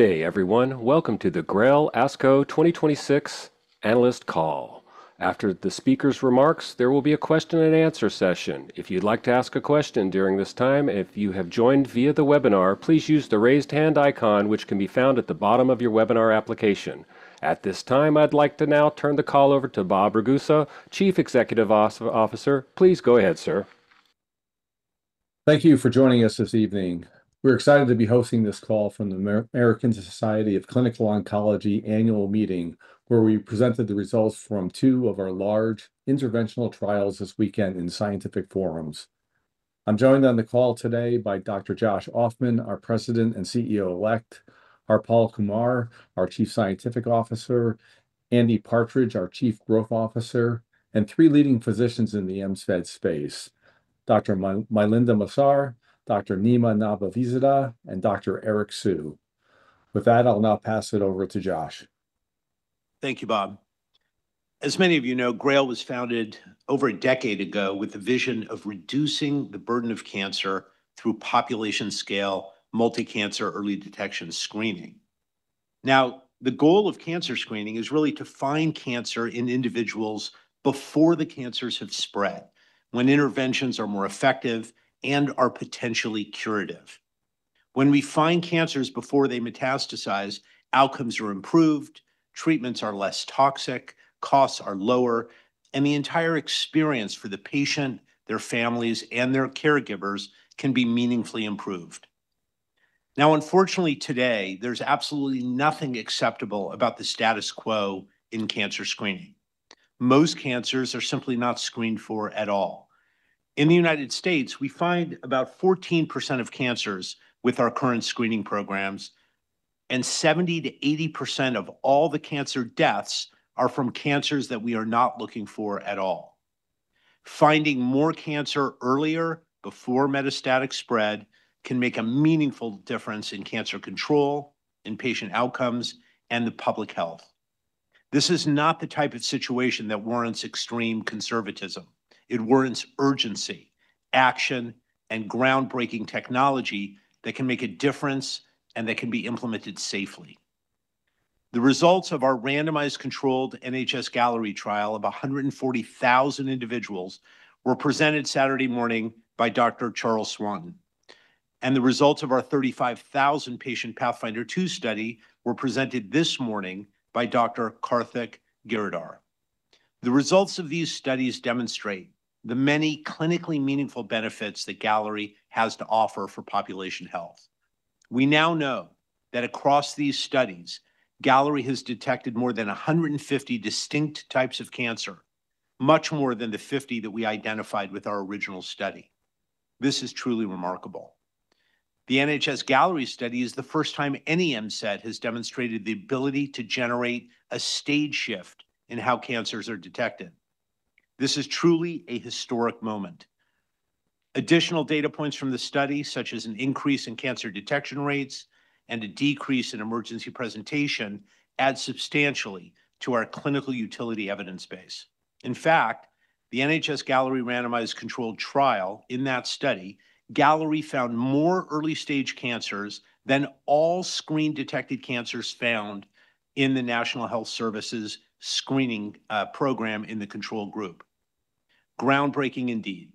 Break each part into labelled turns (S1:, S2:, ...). S1: Good day everyone. Welcome to the GRAIL ASCO 2026 analyst call. After the speaker's remarks, there will be a question and answer session. If you'd like to ask a question during this time, if you have joined via the webinar, please use the raised hand icon, which can be found at the bottom of your webinar application. At this time, I'd like to now turn the call over to Bob Ragusa, Chief Executive Officer. Please go ahead, sir.
S2: Thank you for joining us this evening. We're excited to be hosting this call from the American Society of Clinical Oncology annual meeting, where we presented the results from two of our large interventional trials this weekend in scientific forums. I'm joined on the call today by Dr. Josh Ofman, our President and CEO-Elect, Harpal Kumar, our Chief Scientific Officer, Andy Partridge, our Chief Growth Officer, and three leading physicians in the MCED space, Dr. Mylynda Massart, Dr. Nima Nabavizadeh, and Dr. Eric Sue. With that, I'll now pass it over to Josh.
S3: Thank you, Bob. As many of you know, GRAIL was founded over a decade ago with the vision of reducing the burden of cancer through population-scale, multi-cancer early detection screening. The goal of cancer screening is really to find cancer in individuals before the cancers have spread, when interventions are more effective and are potentially curative. When we find cancers before they metastasize, outcomes are improved, treatments are less toxic, costs are lower, and the entire experience for the patient, their families, and their caregivers can be meaningfully improved. Unfortunately, today, there's absolutely nothing acceptable about the status quo in cancer screening. Most cancers are simply not screened for at all. In the U.S., we find about 14% of cancers with our current screening programs, and 70%-80% of all the cancer deaths are from cancers that we are not looking for at all. Finding more cancer earlier, before metastatic spread, can make a meaningful difference in cancer control, in patient outcomes, and the public health. This is not the type of situation that warrants extreme conservatism. It warrants urgency, action, and groundbreaking technology that can make a difference and that can be implemented safely. The results of our randomized controlled NHS-Galleri trial of 140,000 individuals were presented Saturday morning by Dr. Charles Swanton, and the results of our 35,000-patient PATHFINDER 2 study were presented this morning by Dr. Karthik Giridhar. The results of these studies demonstrate the many clinically meaningful benefits that Galleri has to offer for population health. We now know that across these studies, Galleri has detected more than 150 distinct types of cancer, much more than the 50 that we identified with our original study. This is truly remarkable. The NHS-Galleri study is the first time any MCED has demonstrated the ability to generate a stage shift in how cancers are detected. This is truly a historic moment. Additional data points from the study, such as an increase in cancer detection rates and a decrease in emergency presentation, add substantially to our clinical utility evidence base. In fact, the NHS-Galleri randomized controlled trial, in that study, Galleri found more early-stage cancers than all screen-detected cancers found in the National Health Service's screening program in the control group. Groundbreaking indeed.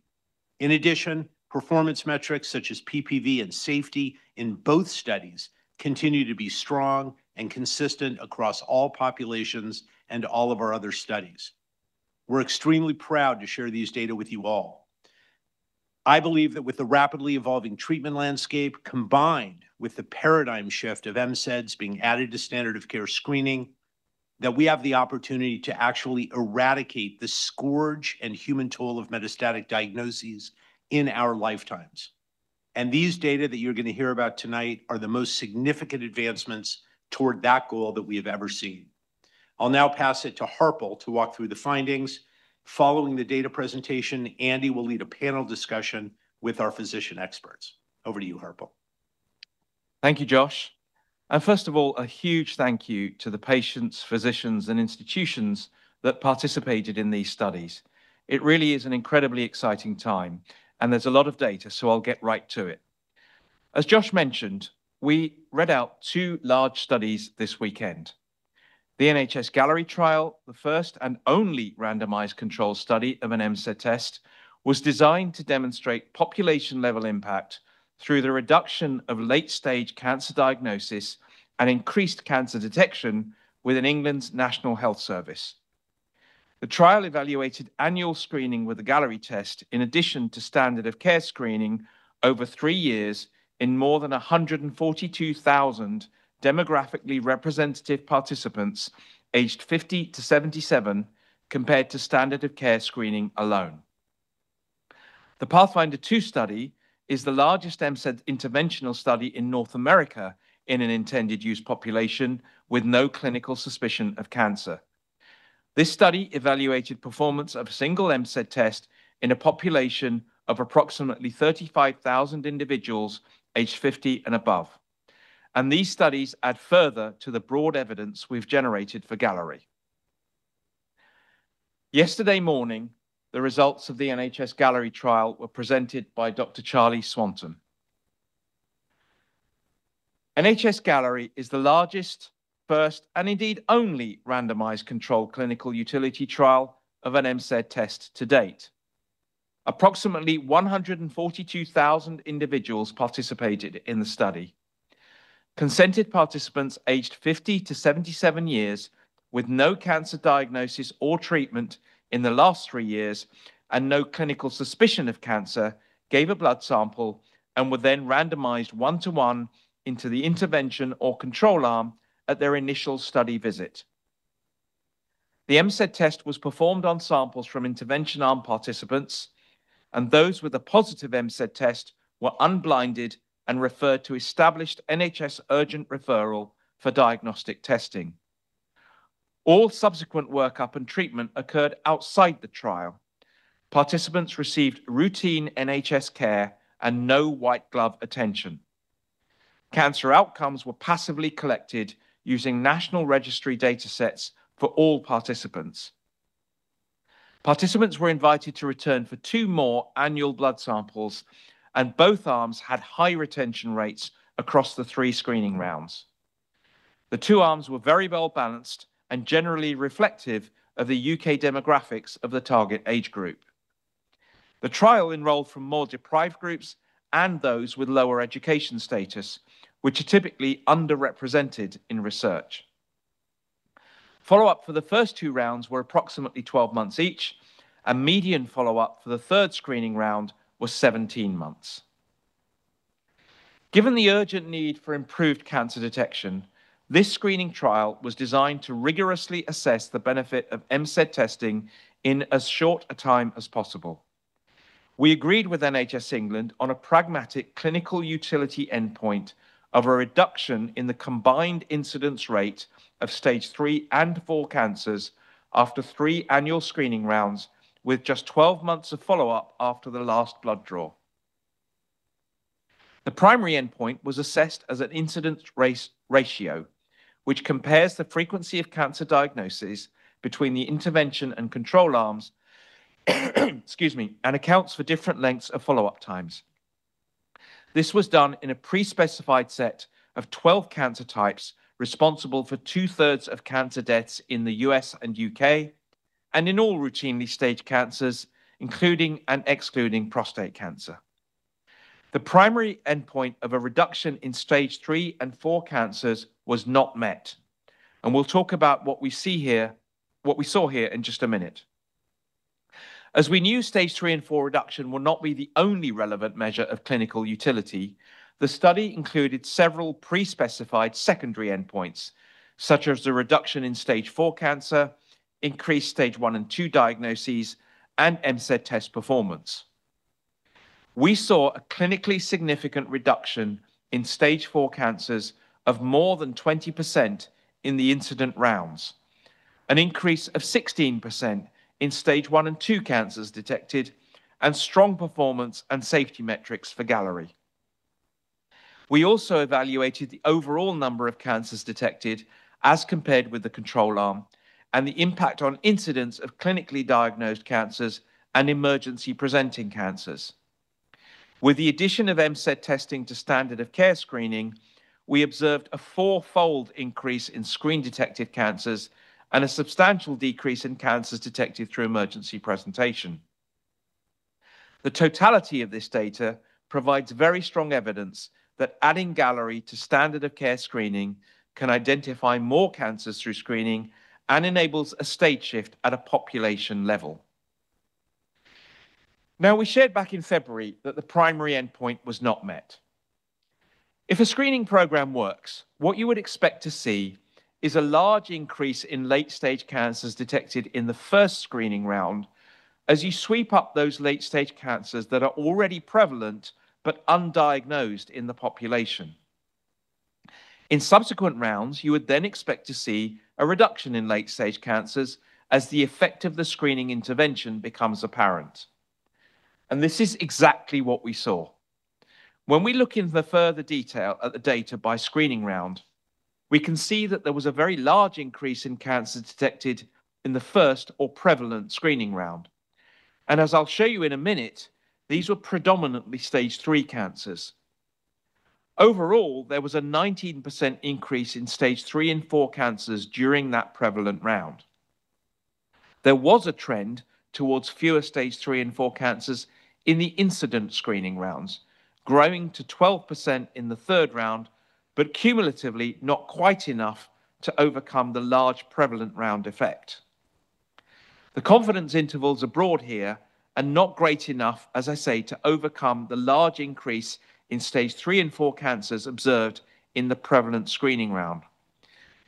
S3: In addition, performance metrics such as PPV and safety in both studies continue to be strong and consistent across all populations and all of our other studies. We're extremely proud to share these data with you all. I believe that with the rapidly evolving treatment landscape, combined with the paradigm shift of MCEDs being added to standard of care screening, that we have the opportunity to actually eradicate the scourge and human toll of metastatic diagnoses in our lifetimes. These data that you're going to hear about tonight are the most significant advancements toward that goal that we have ever seen. I'll now pass it to Harpal to walk through the findings. Following the data presentation, Andy will lead a panel discussion with our physician experts. Over to you, Harpal.
S4: Thank you, Josh. First of all, a huge thank you to the patients, physicians, and institutions that participated in these studies. It really is an incredibly exciting time, and there's a lot of data, so I'll get right to it. As Josh mentioned, we read out two large studies this weekend. The NHS-Galleri trial, the first and only randomized control study of an MCED test, was designed to demonstrate population-level impact through the reduction of late-stage cancer diagnosis and increased cancer detection within England's National Health Service. The trial evaluated annual screening with a Galleri test in addition to standard of care screening over three years in more than 142,000 demographically representative participants aged 50 to 77, compared to standard of care screening alone. The PATHFINDER 2 study is the largest MCED interventional study in North America in an intended use population with no clinical suspicion of cancer. This study evaluated performance of a single MCED test in a population of approximately 35,000 individuals aged 50 and above. These studies add further to the broad evidence we've generated for Galleri. Yesterday morning, the results of the NHS-Galleri trial were presented by Dr. Charlie Swanton. NHS-Galleri is the largest, first, and indeed only randomized controlled clinical utility trial of an MCED test to date. Approximately 142,000 individuals participated in the study. Consented participants aged 50 to 77 years with no cancer diagnosis or treatment in the last three years and no clinical suspicion of cancer gave a blood sample and were then randomized one-to-one into the intervention or control arm at their initial study visit. The MCED test was performed on samples from intervention arm participants, and those with a positive MCED test were unblinded and referred to established NHS urgent referral for diagnostic testing. All subsequent workup and treatment occurred outside the trial. Participants received routine NHS care and no white glove attention. Cancer outcomes were passively collected using national registry data sets for all participants. Participants were invited to return for two more annual blood samples, and both arms had high retention rates across the three screening rounds. The two arms were very well balanced and generally reflective of the U.K. demographics of the target age group. The trial enrolled from more deprived groups and those with lower education status, which are typically underrepresented in research. Follow-up for the first two rounds were approximately 12 months each. A median follow-up for the third screening round was 17 months. Given the urgent need for improved cancer detection, this screening trial was designed to rigorously assess the benefit of MCED testing in as short a time as possible. We agreed with NHS England on a pragmatic clinical utility endpoint of a reduction in the combined incidence rate of stage 3 and 4 cancers after three annual screening rounds, with just 12 months of follow-up after the last blood draw. The primary endpoint was assessed as an incidence ratio, which compares the frequency of cancer diagnoses between the intervention and control arms and accounts for different lengths of follow-up times. This was done in a pre-specified set of 12 cancer types responsible for two-thirds of cancer deaths in the U.S. and U.K., and in all routinely staged cancers, including and excluding prostate cancer. The primary endpoint of a reduction in stage 3 and 4 cancers was not met, and we'll talk about what we saw here in just a minute. As we knew stage 3 and 4 reduction will not be the only relevant measure of clinical utility, the study included several pre-specified secondary endpoints, such as the reduction in stage 4 cancer, increased stage 1 and 2 diagnoses, and MCED test performance. We saw a clinically significant reduction in stage 4 cancers of more than 20% in the incident rounds, an increase of 16% in stage 1 and 2 cancers detected, and strong performance and safety metrics for Galleri. We also evaluated the overall number of cancers detected as compared with the control arm and the impact on incidence of clinically diagnosed cancers and emergency-presenting cancers. With the addition of MCED testing to standard of care screening, we observed a fourfold increase in screen-detected cancers and a substantial decrease in cancers detected through emergency presentation. The totality of this data provides very strong evidence that adding Galleri to standard of care screening can identify more cancers through screening and enables a stage shift at a population level. Now, we shared back in February that the primary endpoint was not met. If a screening program works, what you would expect to see is a large increase in late-stage cancers detected in the first screening round as you sweep up those late-stage cancers that are already prevalent but undiagnosed in the population. In subsequent rounds, you would expect to see a reduction in late-stage cancers as the effect of the screening intervention becomes apparent. This is exactly what we saw. When we look into the further detail at the data by screening round, we can see that there was a very large increase in cancers detected in the first or prevalent screening round. As I'll show you in a minute, these were predominantly stage 3 cancers. Overall, there was a 19% increase in stage 3 and 4 cancers during that prevalent round. There was a trend towards fewer stage 3 and 4 cancers in the incident screening rounds, growing to 12% in the third round, but cumulatively not quite enough to overcome the large prevalent round effect. The confidence intervals are broad here and not great enough, as I say, to overcome the large increase in stage 3 and 4 cancers observed in the prevalent screening round.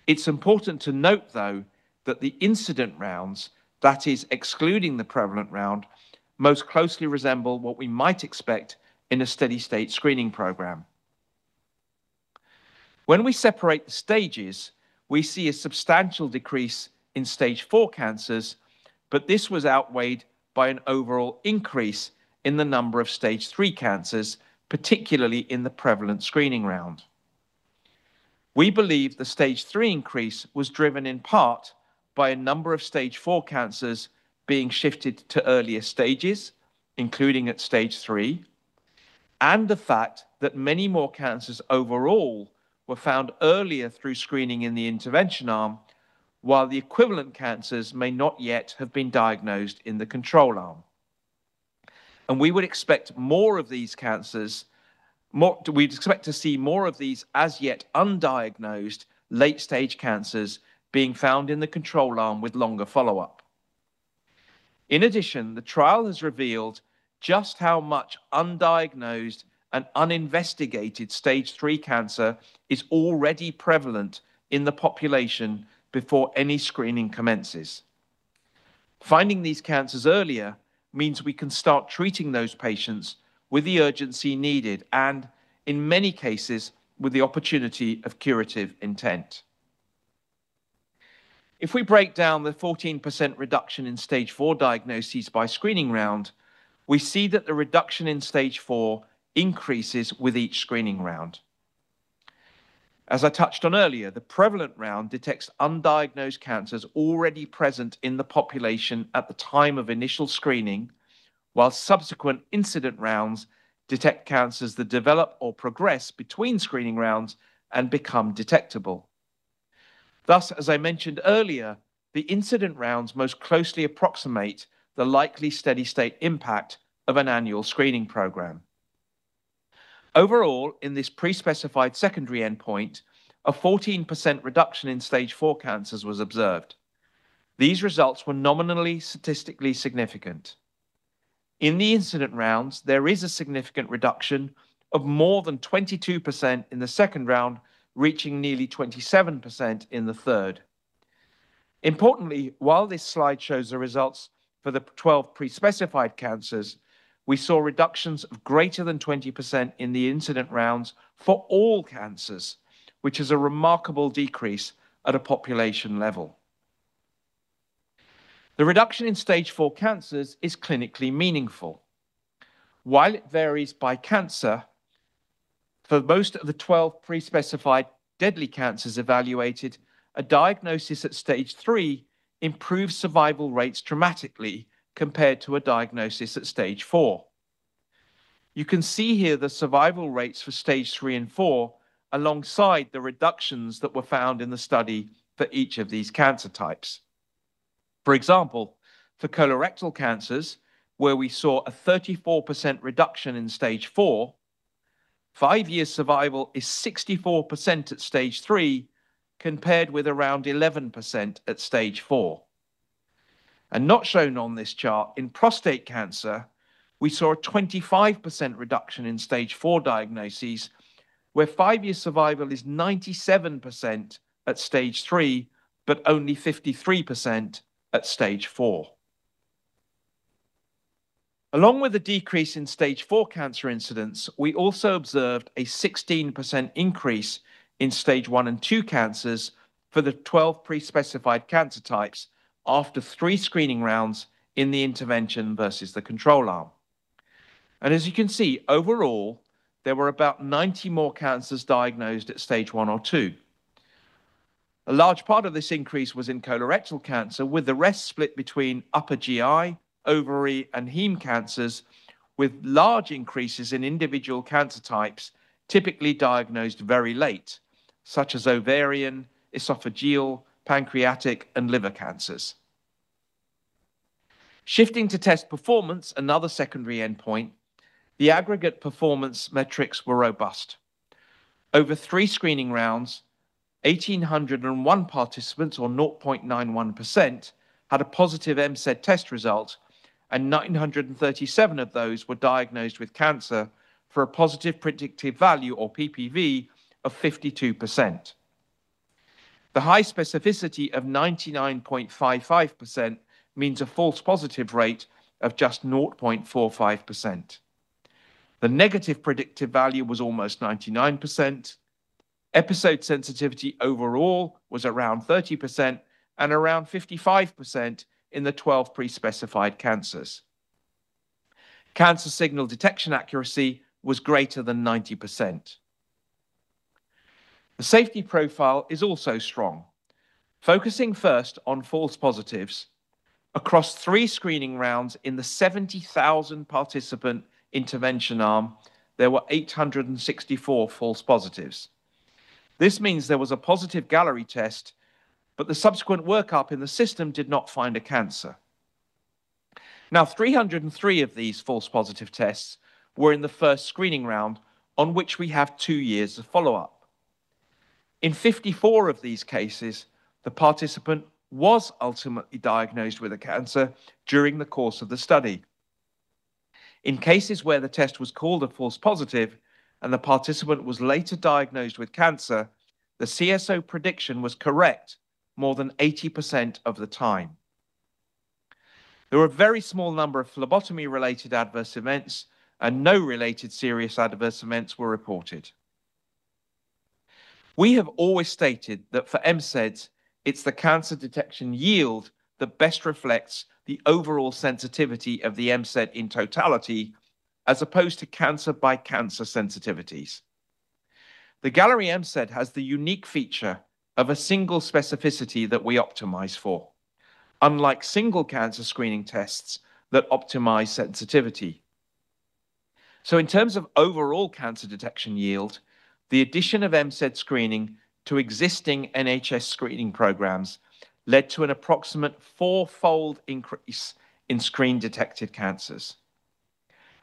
S4: It's important to note, though, that the incident rounds, that is excluding the prevalent round, most closely resemble what we might expect in a steady state screening program. When we separate the stages, we see a substantial decrease in stage 4 cancers, but this was outweighed by an overall increase in the number of stage 3 cancers, particularly in the prevalent screening round. We believe the stage 3 increase was driven in part by a number of stage 4 cancers being shifted to earlier stages, including at stage 3, and the fact that many more cancers overall were found earlier through screening in the intervention arm, while the equivalent cancers may not yet have been diagnosed in the control arm. We'd expect to see more of these as yet undiagnosed late-stage cancers being found in the control arm with longer follow-up. In addition, the trial has revealed just how much undiagnosed and uninvestigated stage 3 cancer is already prevalent in the population before any screening commences. Finding these cancers earlier means we can start treating those patients with the urgency needed, and in many cases, with the opportunity of curative intent. If we break down the 14% reduction in stage IV diagnoses by screening round, we see that the reduction in stage IV increases with each screening round. As I touched on earlier, the prevalent round detects undiagnosed cancers already present in the population at the time of initial screening, while subsequent incident rounds detect cancers that develop or progress between screening rounds and become detectable. As I mentioned earlier, the incident rounds most closely approximate the likely steady state impact of an annual screening program. Overall, in this pre-specified secondary endpoint, a 14% reduction in stage IV cancers was observed. These results were nominally statistically significant. In the incident rounds, there is a significant reduction of more than 22% in the second round, reaching nearly 27% in the third. Importantly, while this slide shows the results for the 12 pre-specified cancers, we saw reductions of greater than 20% in the incident rounds for all cancers, which is a remarkable decrease at a population level. The reduction in stage IV cancers is clinically meaningful. While it varies by cancer, for most of the 12 pre-specified deadly cancers evaluated, a diagnosis at stage III improves survival rates dramatically compared to a diagnosis at stage IV. You can see here the survival rates for stage III and IV alongside the reductions that were found in the study for each of these cancer types. For example, for colorectal cancers, where we saw a 34% reduction in stage 4, five-year survival is 64% at stage 3 compared with around 11% at stage 4. Not shown on this chart, in prostate cancer, we saw a 25% reduction in stage 4 diagnoses, where five-year survival is 97% at stage 3, but only 53% at stage 4. Along with the decrease in stage 4 cancer incidents, we also observed a 16% increase in stage 1 and 2 cancers for the 12 pre-specified cancer types after three screening rounds in the intervention versus the control arm. As you can see, overall, there were about 90 more cancers diagnosed at stage 1 or 2. A large part of this increase was in colorectal cancer, with the rest split between upper GI, ovary, and heme cancers, with large increases in individual cancer types typically diagnosed very late, such as ovarian, esophageal, pancreatic, and liver cancers. Shifting to test performance, another secondary endpoint, the aggregate performance metrics were robust. Over 3 screening rounds, 1,801 participants or 0.91% had a positive MCED test result, and 937 of those were diagnosed with cancer for a positive predictive value, or PPV, of 52%. The high specificity of 99.55% means a false positive rate of just 0.45%. The negative predictive value was almost 99%. Episode sensitivity overall was around 30% and around 55% in the 12 pre-specified cancers. Cancer signal detection accuracy was greater than 90%. The safety profile is also strong. Focusing first on false positives, across three screening rounds in the 70,000-participant intervention arm, there were 864 false positives. This means there was a positive Galleri test, but the subsequent work-up in the system did not find a cancer. 303 of these false positive tests were in the first screening round on which we have two years of follow-up. In 54 of these cases, the participant was ultimately diagnosed with a cancer during the course of the study. In cases where the test was called a false positive and the participant was later diagnosed with cancer, the CSO prediction was correct more than 80% of the time. There were a very small number of phlebotomy-related adverse events and no related serious adverse events were reported. We have always stated that for MCEDs, it's the cancer detection yield that best reflects the overall sensitivity of the MCED in totality as opposed to cancer by cancer sensitivities. The Galleri MCED has the unique feature of a single specificity that we optimize for, unlike single cancer screening tests that optimize sensitivity. In terms of overall cancer detection yield, the addition of MCED screening to existing NHS screening programs led to an approximate four-fold increase in screen-detected cancers.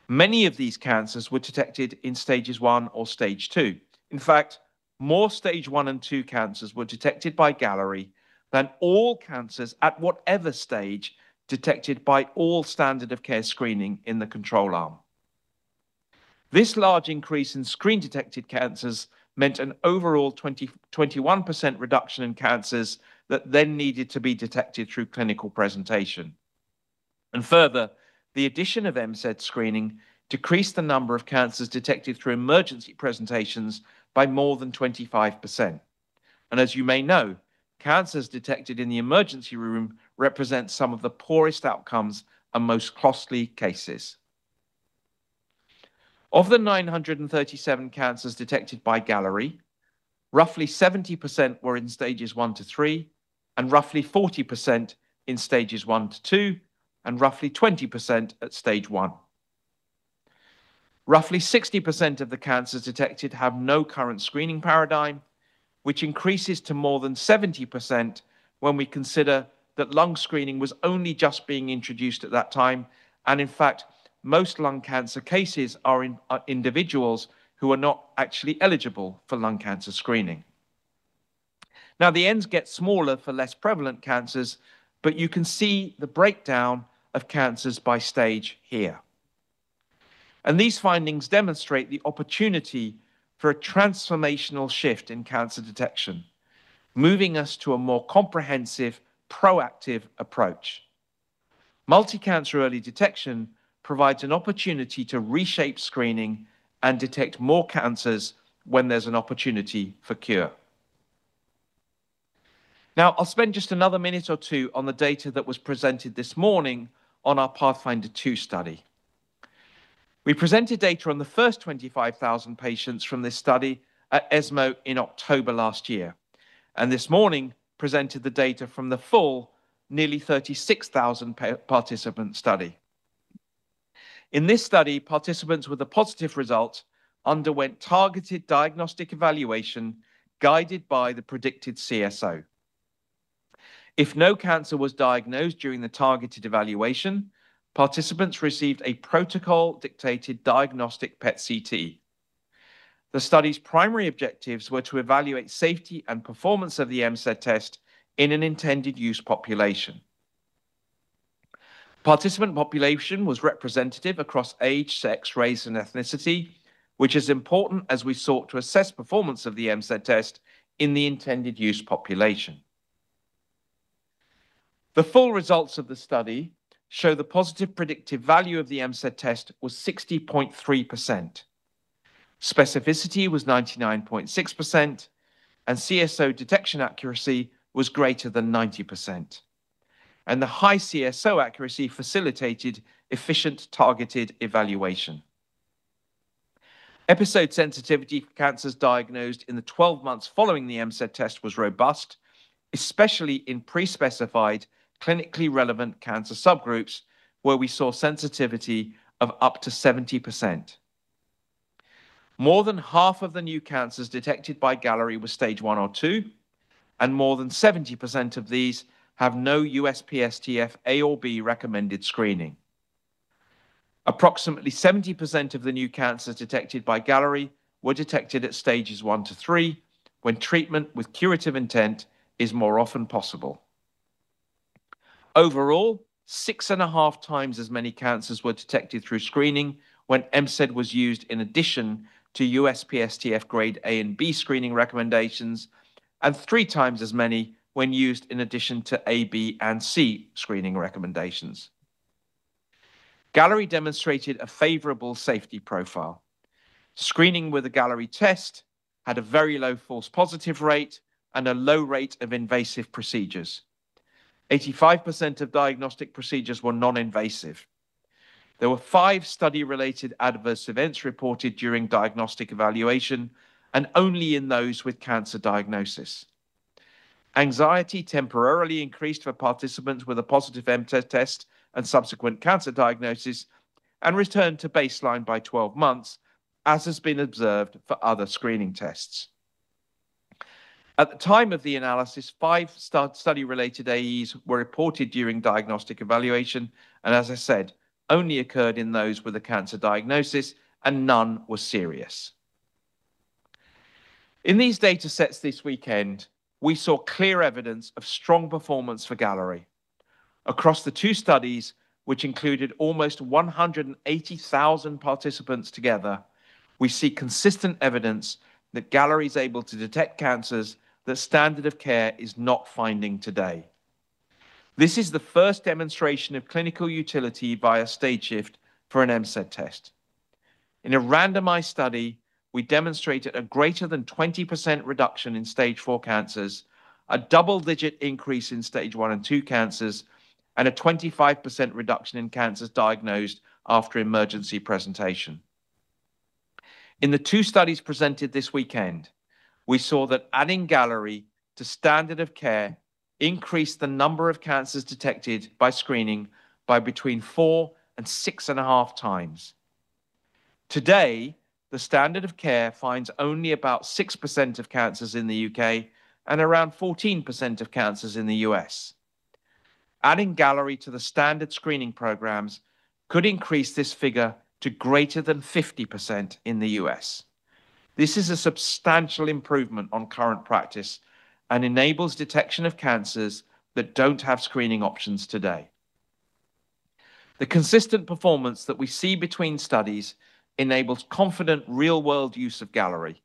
S4: Many of these cancers were detected in stage 1 or stage 2. In fact, more stage 1 and 2 cancers were detected by Galleri than all cancers at whatever stage detected by all standard of care screening in the control arm. This large increase in screen-detected cancers meant an overall 21% reduction in cancers that then needed to be detected through clinical presentation. Further, the addition of MCED screening decreased the number of cancers detected through emergency presentations by more than 25%. As you may know, cancers detected in the emergency room represent some of the poorest outcomes and most costly cases. Of the 937 cancers detected by Galleri, roughly 70% were in stages 1 to 3, and roughly 40% in stages 1 to 2, and roughly 20% at stage 1. Roughly 60% of the cancers detected have no current screening paradigm, which increases to more than 70% when we consider that lung screening was only just being introduced at that time. In fact, most lung cancer cases are in individuals who are not actually eligible for lung cancer screening. Now, the Ns get smaller for less prevalent cancers, but you can see the breakdown of cancers by stage here. These findings demonstrate the opportunity for a transformational shift in cancer detection, moving us to a more comprehensive, proactive approach. Multi-cancer early detection provides an opportunity to reshape screening and detect more cancers when there's an opportunity for cure. Now, I'll spend just another minute or two on the data that was presented this morning on our PATHFINDER 2 study. We presented data on the first 25,000 patients from this study at ESMO in October last year, and this morning presented the data from the full nearly 36,000-participant study. In this study, participants with a positive result underwent targeted diagnostic evaluation guided by the predicted CSO. If no cancer was diagnosed during the targeted evaluation, participants received a protocol-dictated diagnostic PET-CT. The study's primary objectives were to evaluate safety and performance of the MCED test in an intended use population. Participant population was representative across age, sex, race, and ethnicity, which is important as we sought to assess performance of the MCED test in the intended use population. The full results of the study show the positive predictive value of the MCED test was 60.3%. Specificity was 99.6%, and CSO detection accuracy was greater than 90%. The high CSO accuracy facilitated efficient targeted evaluation. Episode sensitivity for cancers diagnosed in the 12 months following the MCED test was robust, especially in pre-specified clinically relevant cancer subgroups, where we saw sensitivity of up to 70%. More than half of the new cancers detected by Galleri were stage 1 or 2, and more than 70% of these have no USPSTF A or B recommended screening. Approximately 70% of the new cancers detected by Galleri were detected at stages 1 to 3, when treatment with curative intent is more often possible. Overall, six and a half times as many cancers were detected through screening when MCED was used in addition to USPSTF grade A and B screening recommendations, and three times as many when used in addition to A, B, and C screening recommendations. Galleri demonstrated a favorable safety profile. Screening with a Galleri test had a very low false positive rate and a low rate of invasive procedures. 85% of diagnostic procedures were non-invasive. There were five study-related adverse events reported during diagnostic evaluation, and only in those with cancer diagnosis. Anxiety temporarily increased for participants with a positive MCED test and subsequent cancer diagnosis and returned to baseline by 12 months, as has been observed for other screening tests. At the time of the analysis, five study-related AEs were reported during diagnostic evaluation and, as I said, only occurred in those with a cancer diagnosis, and none were serious. In these data sets this weekend, we saw clear evidence of strong performance for Galleri. Across the two studies, which included almost 180,000 participants together, we see consistent evidence that Galleri's able to detect cancers that standard of care is not finding today. This is the first demonstration of clinical utility by a stage shift for an MCED test. In a randomized study, we demonstrated a greater than 20% reduction in stage 4 cancers, a double-digit increase in stage 1 and 2 cancers, and a 25% reduction in cancers diagnosed after emergency presentation. In the two studies presented this weekend, we saw that adding Galleri to standard of care increased the number of cancers detected by screening by between four and six and a half times. Today, the standard of care finds only about 6% of cancers in the U.K. and around 14% of cancers in the U.S. Adding Galleri to the standard screening programs could increase this figure to greater than 50% in the U.S. This is a substantial improvement on current practice and enables detection of cancers that don't have screening options today. The consistent performance that we see between studies enables confident real-world use of Galleri.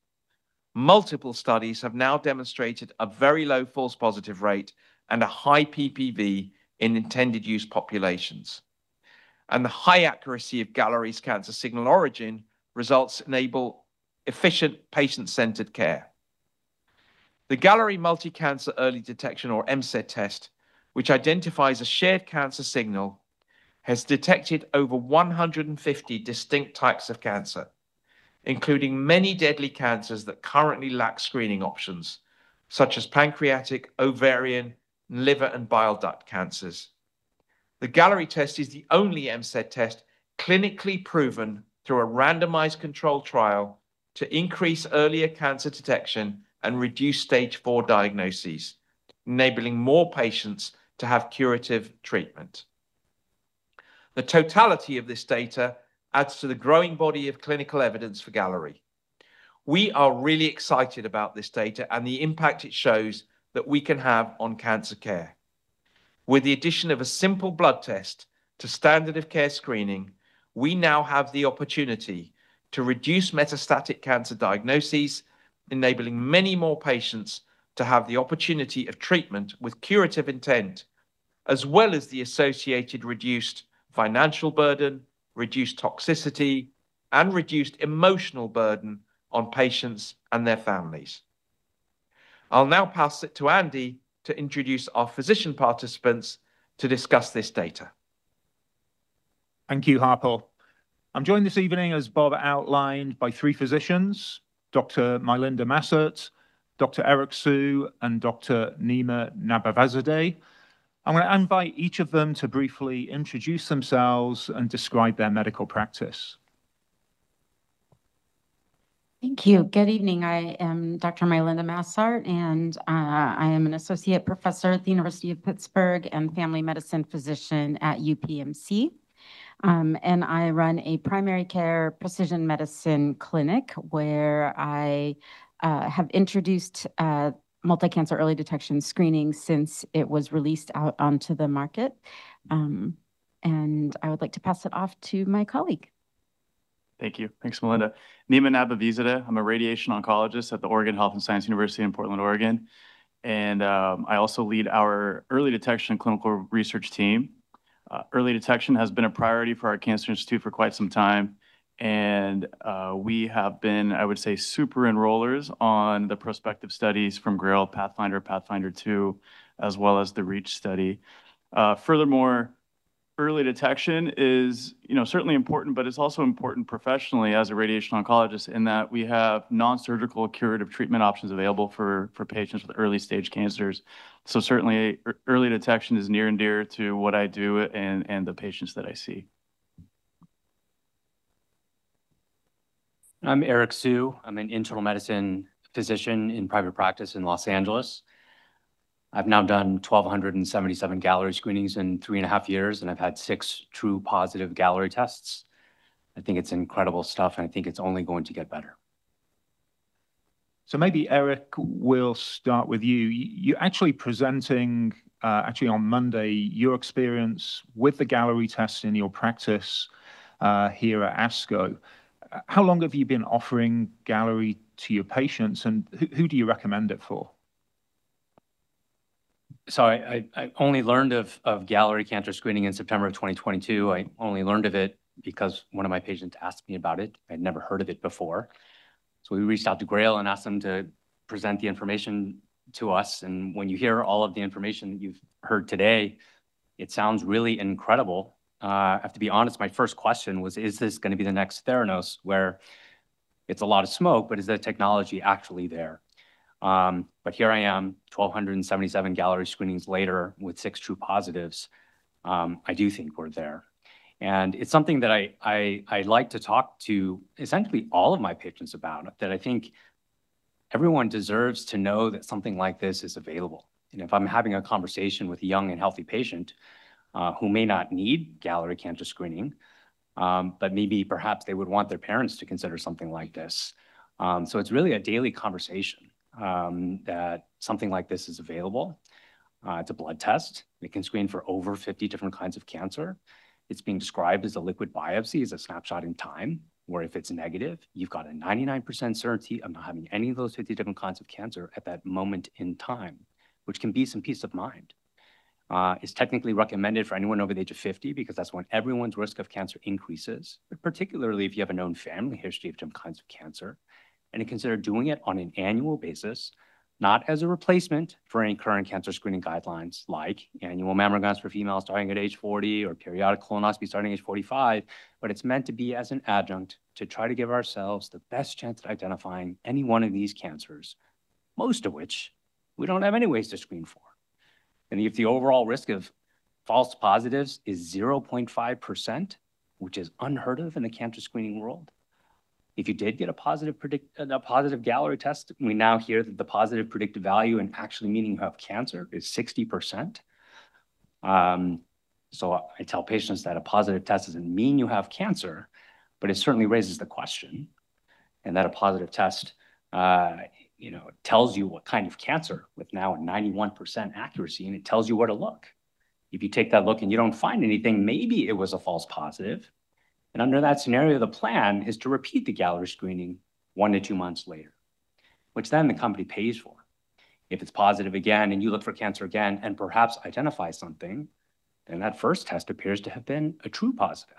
S4: Multiple studies have now demonstrated a very low false positive rate and a high PPV in intended use populations. The high accuracy of Galleri's cancer signal origin results enable efficient patient-centered care. The Galleri multi-cancer early detection, or MCED test, which identifies a shared cancer signal, has detected over 150 distinct types of cancer, including many deadly cancers that currently lack screening options, such as pancreatic, ovarian, liver, and bile duct cancers. The Galleri test is the only MCED test clinically proven through a randomized controlled trial to increase earlier cancer detection and reduce stage 4 diagnoses, enabling more patients to have curative treatment. The totality of this data adds to the growing body of clinical evidence for Galleri. We are really excited about this data and the impact it shows that we can have on cancer care. With the addition of a simple blood test to standard of care screening, we now have the opportunity to reduce metastatic cancer diagnoses, enabling many more patients to have the opportunity of treatment with curative intent, as well as the associated reduced financial burden, reduced toxicity, and reduced emotional burden on patients and their families. I'll now pass it to Andy to introduce our physician participants to discuss this data.
S5: Thank you, Harpal. I'm joined this evening, as Bob outlined, by three physicians, Dr. Mylynda Massart, Dr. Eric Sue, and Dr. Nima Nabavizadeh. I'm going to invite each of them to briefly introduce themselves and describe their medical practice.
S6: Thank you. Good evening. I am Dr. Mylynda Massart, and I am an associate professor at the University of Pittsburgh and family medicine physician at UPMC. I run a primary care precision medicine clinic where I have introduced multi-cancer early detection screening since it was released out onto the market. I would like to pass it off to my colleague.
S7: Thank you. Thanks, Mylynda. Nima Nabavizadeh. I'm a radiation oncologist at the Oregon Health & Science University in Portland, Oregon, and I also lead our early detection clinical research team. Early detection has been a priority for our cancer institute for quite some time, and we have been, I would say, super enrollers on the prospective studies from GRAIL PATHFINDER 2, as well as the REACH study. Furthermore, early detection is certainly important, but it's also important professionally as a radiation oncologist in that we have non-surgical curative treatment options available for patients with early-stage cancers. Certainly, early detection is near and dear to what I do and the patients that I see.
S8: I'm Eric Sue. I'm an internal medicine physician in private practice in Los Angeles. I've now done 1,277 Galleri screenings in three and a half years, and I've had six true positive Galleri tests. I think it's incredible stuff, and I think it's only going to get better.
S5: Maybe Eric, we'll start with you. You're actually presenting on Monday, your experience with the Galleri test in your practice here at ASCO. How long have you been offering Galleri to your patients, and who do you recommend it for?
S8: I only learned of Galleri cancer screening in September of 2022. I only learned of it because one of my patients asked me about it. I'd never heard of it before. We reached out to GRAIL and asked them to present the information to us, and when you hear all of the information that you've heard today, it sounds really incredible. I have to be honest, my first question was, is this going to be the next Theranos, where it's a lot of smoke, but is the technology actually there? Here I am, 1,277 Galleri screenings later with six true positives. I do think we're there. It's something that I like to talk to essentially all of my patients about, that I think everyone deserves to know that something like this is available. If I'm having a conversation with a young and healthy patient who may not need Galleri cancer screening, but maybe perhaps they would want their parents to consider something like this. It's really a daily conversation that something like this is available. It's a blood test that can screen for over 50 different kinds of cancer. It's being described as a liquid biopsy, as a snapshot in time, where if it's negative, you've got a 99% certainty of not having any of those 50 different kinds of cancer at that moment in time, which can be some peace of mind. It's technically recommended for anyone over the age of 50 because that's when everyone's risk of cancer increases, but particularly if you have a known family history of certain kinds of cancer. Consider doing it on an annual basis, not as a replacement for any current cancer screening guidelines like annual mammograms for females starting at age 40 or periodic colonoscopies starting at age 45, but it's meant to be as an adjunct to try to give ourselves the best chance at identifying any one of these cancers, most of which we don't have any ways to screen for. If the overall risk of false positives is 0.5%, which is unheard of in the cancer screening world, if you did get a positive Galleri test, we now hear that the positive predictive value in actually meaning you have cancer is 60%. I tell patients that a positive test doesn't mean you have cancer, but it certainly raises the question, and that a positive test tells you what kind of cancer, with now a 91% accuracy, and it tells you where to look. If you take that look and you don't find anything, maybe it was a false positive, and under that scenario, the plan is to repeat the Galleri screening one to two months later, which then the company pays for. If it's positive again and you look for cancer again and perhaps identify something, then that first test appears to have been a true positive,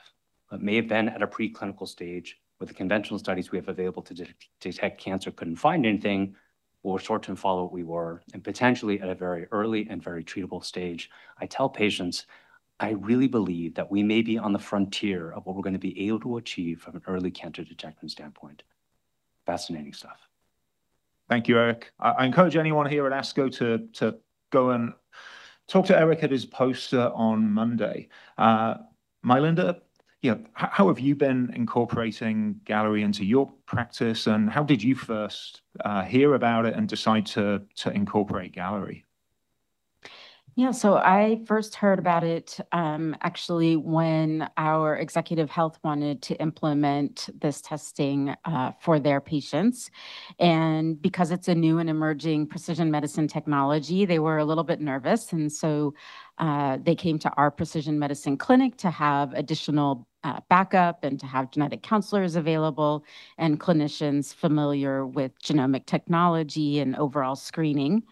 S8: but may have been at a pre-clinical stage where the conventional studies we have available to detect cancer couldn't find anything or shortly following what we were and potentially at a very early and very treatable stage. I tell patients I really believe that we may be on the frontier of what we're going to be able to achieve from an early cancer detection standpoint. Fascinating stuff.
S5: Thank you, Eric. I encourage anyone here at ASCO to go and talk to Eric at his poster on Monday. Mylynda, how have you been incorporating Galleri into your practice, and how did you first hear about it and decide to incorporate Galleri?
S6: Yeah. I first heard about it actually when our executive health wanted to implement this testing for their patients. Because it's a new and emerging precision medicine technology, they were a little bit nervous, and so they came to our precision medicine clinic to have additional backup and to have genetic counselors available and clinicians familiar with genomic technology and overall screening.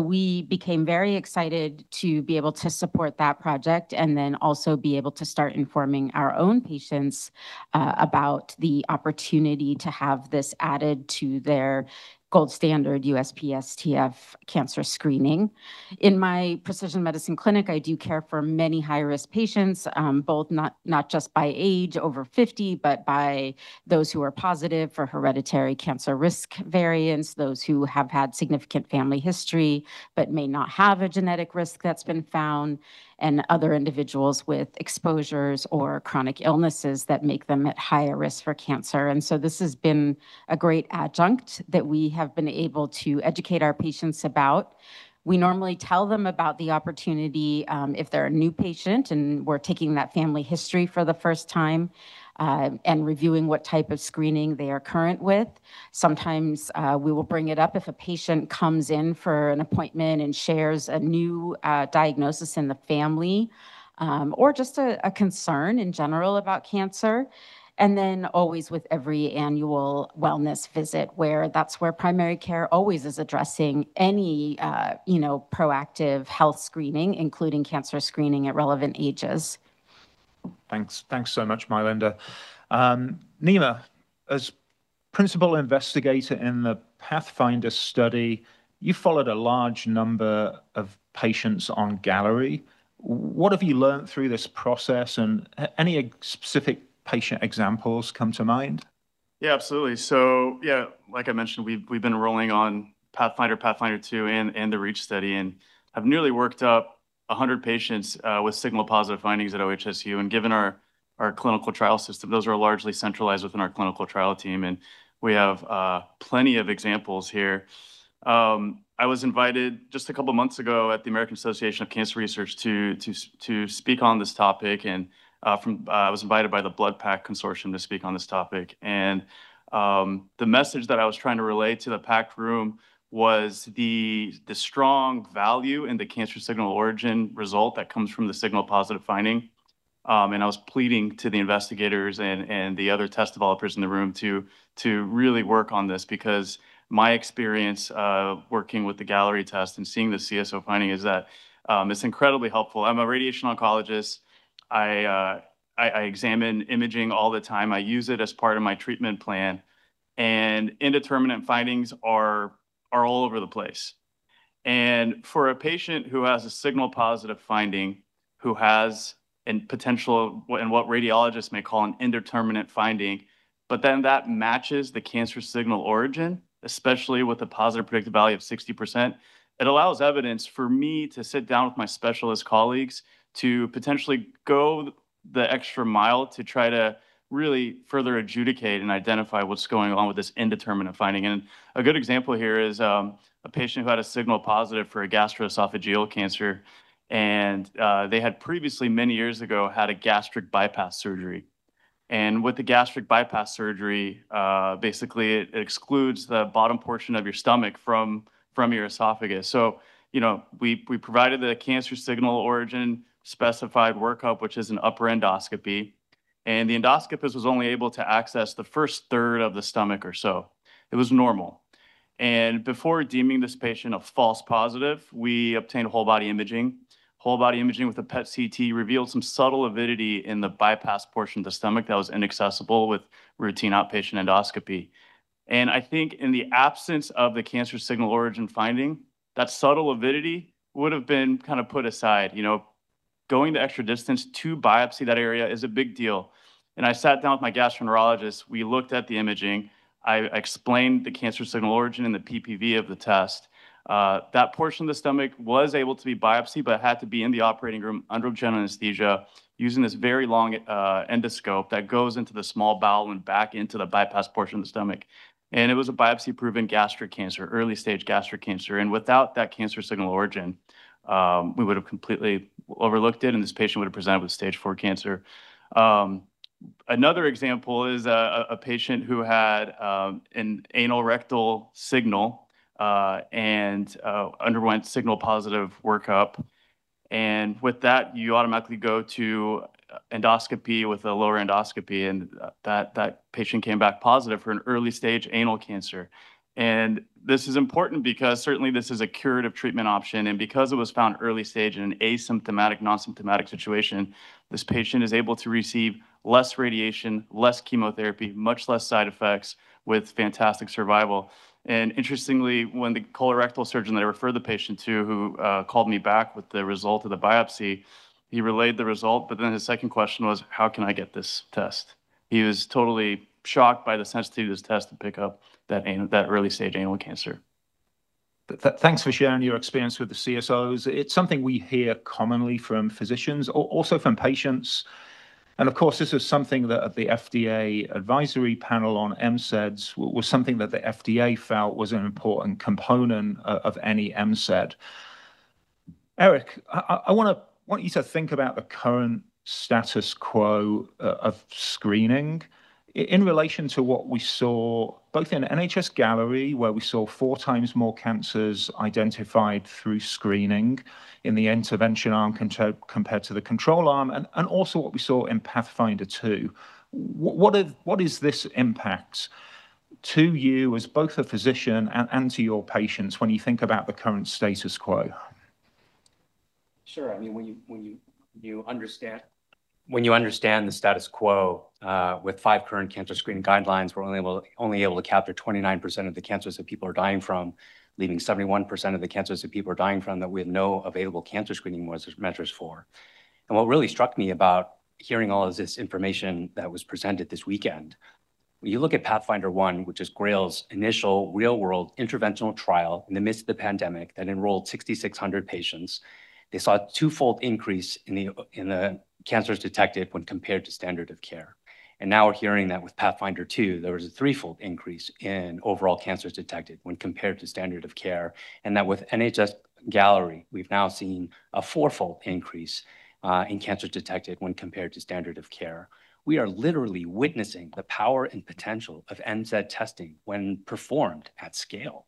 S6: We became very excited to be able to support that project and then also be able to start informing our own patients about the opportunity to have this added to their gold standard USPSTF cancer screening. In my precision medicine clinic, I do care for many high-risk patients, both not just by age over 50, but by those who are positive for hereditary cancer risk variants, those who have had significant family history but may not have a genetic risk that's been found, and other individuals with exposures or chronic illnesses that make them at higher risk for cancer. This has been a great adjunct that we have been able to educate our patients about. We normally tell them about the opportunity if they're a new patient and we're taking that family history for the first time and reviewing what type of screening they are current with. Sometimes we will bring it up if a patient comes in for an appointment and shares a new diagnosis in the family or just a concern in general about cancer. Always with every annual wellness visit, where that's where primary care always is addressing any proactive health screening, including cancer screening at relevant ages.
S5: Thanks so much, Mylynda. Nima, as principal investigator in the PATHFINDER study, you followed a large number of patients on Galleri. What have you learned through this process, and any specific patient examples come to mind?
S7: Yeah, absolutely. Like I mentioned, we've been enrolling on PATHFINDER 2, and the REACH study and have nearly worked up 100 patients with signal positive findings at OHSU. Given our clinical trial system, those are largely centralized within our clinical trial team, and we have plenty of examples here. I was invited just a couple of months ago at the American Association for Cancer Research to speak on this topic. I was invited by the BloodPAC Consortium to speak on this topic. The message that I was trying to relay to the packed room was the strong value in the cancer signal origin result that comes from the signal-positive finding. I was pleading to the investigators and the other test developers in the room to really work on this because my experience working with the Galleri test and seeing the CSO finding is that it's incredibly helpful. I'm a radiation oncologist. I examine imaging all the time. I use it as part of my treatment plan, and indeterminate findings are all over the place. For a patient who has a signal-positive finding and what radiologists may call an indeterminate finding, but then that matches the cancer signal origin, especially with a positive predictive value of 60%, it allows evidence for me to sit down with my specialist colleagues to potentially go the extra mile to try to really further adjudicate and identify what's going on with this indeterminate finding. A good example here is a patient who had a signal positive for a gastroesophageal cancer, they had previously many years ago had a gastric bypass surgery. With the gastric bypass surgery, basically it excludes the bottom portion of your stomach from your esophagus. We provided the cancer signal origin specified workup, which is an upper endoscopy, and the endoscopist was only able to access the first third of the stomach or so. It was normal. Before deeming this patient a false positive, we obtained whole body imaging. Whole body imaging with a PET-CT revealed some subtle avidity in the bypass portion of the stomach that was inaccessible with routine outpatient endoscopy. I think in the absence of the cancer signal origin finding, that subtle avidity would've been kind of put aside. Going the extra distance to biopsy that area is a big deal. I sat down with my gastroenterologist, we looked at the imaging. I explained the cancer signal origin and the PPV of the test. That portion of the stomach was able to be biopsied, but had to be in the operating room under general anesthesia using this very long endoscope that goes into the small bowel and back into the bypass portion of the stomach. It was a biopsy proven gastric cancer, early stage gastric cancer. Without that cancer signal origin, we would've completely overlooked it, and this patient would've presented with stage 4 cancer. Another example is a patient who had an anorectal signal, and underwent signal positive workup. With that, you automatically go to endoscopy with a lower endoscopy, and that patient came back positive for an early stage anal cancer. This is important because certainly this is a curative treatment option. Because it was found early stage in an asymptomatic, non-symptomatic situation, this patient is able to receive less radiation, less chemotherapy, much less side effects with fantastic survival. Interestingly, when the colorectal surgeon that I referred the patient to who called me back with the result of the biopsy, he relayed the result, but then his second question was, "How can I get this test?" He was totally shocked by the sensitivity of this test to pick up that early stage anal cancer.
S5: Thanks for sharing your experience with the CSOs. It's something we hear commonly from physicians, also from patients, and of course, this is something that at the FDA advisory panel on MCEDs, was something that the FDA felt was an important component of any MCED. Eric, I want you to think about the current status quo of screening in relation to what we saw both in NHS-Galleri, where we saw four times more cancers identified through screening in the intervention arm compared to the control arm, and also what we saw in PATHFINDER 2. What is this impact to you as both a physician and to your patients when you think about the current status quo?
S8: Sure. When you understand the status quo with five current cancer screening guidelines, we're only able to capture 29% of the cancers that people are dying from, leaving 71% of the cancers that people are dying from that we have no available cancer screening measures for. What really struck me about hearing all of this information that was presented this weekend, when you look at PATHFINDER 1, which is GRAIL's initial real world interventional trial in the midst of the pandemic that enrolled 6,600 patients, they saw a twofold increase in the cancers detected when compared to standard of care. Now we're hearing that with PATHFINDER 2, there was a threefold increase in overall cancers detected when compared to standard of care, and that with NHS-Galleri, we've now seen a fourfold increase in cancer detected when compared to standard of care. We are literally witnessing the power and potential of MCED testing when performed at scale.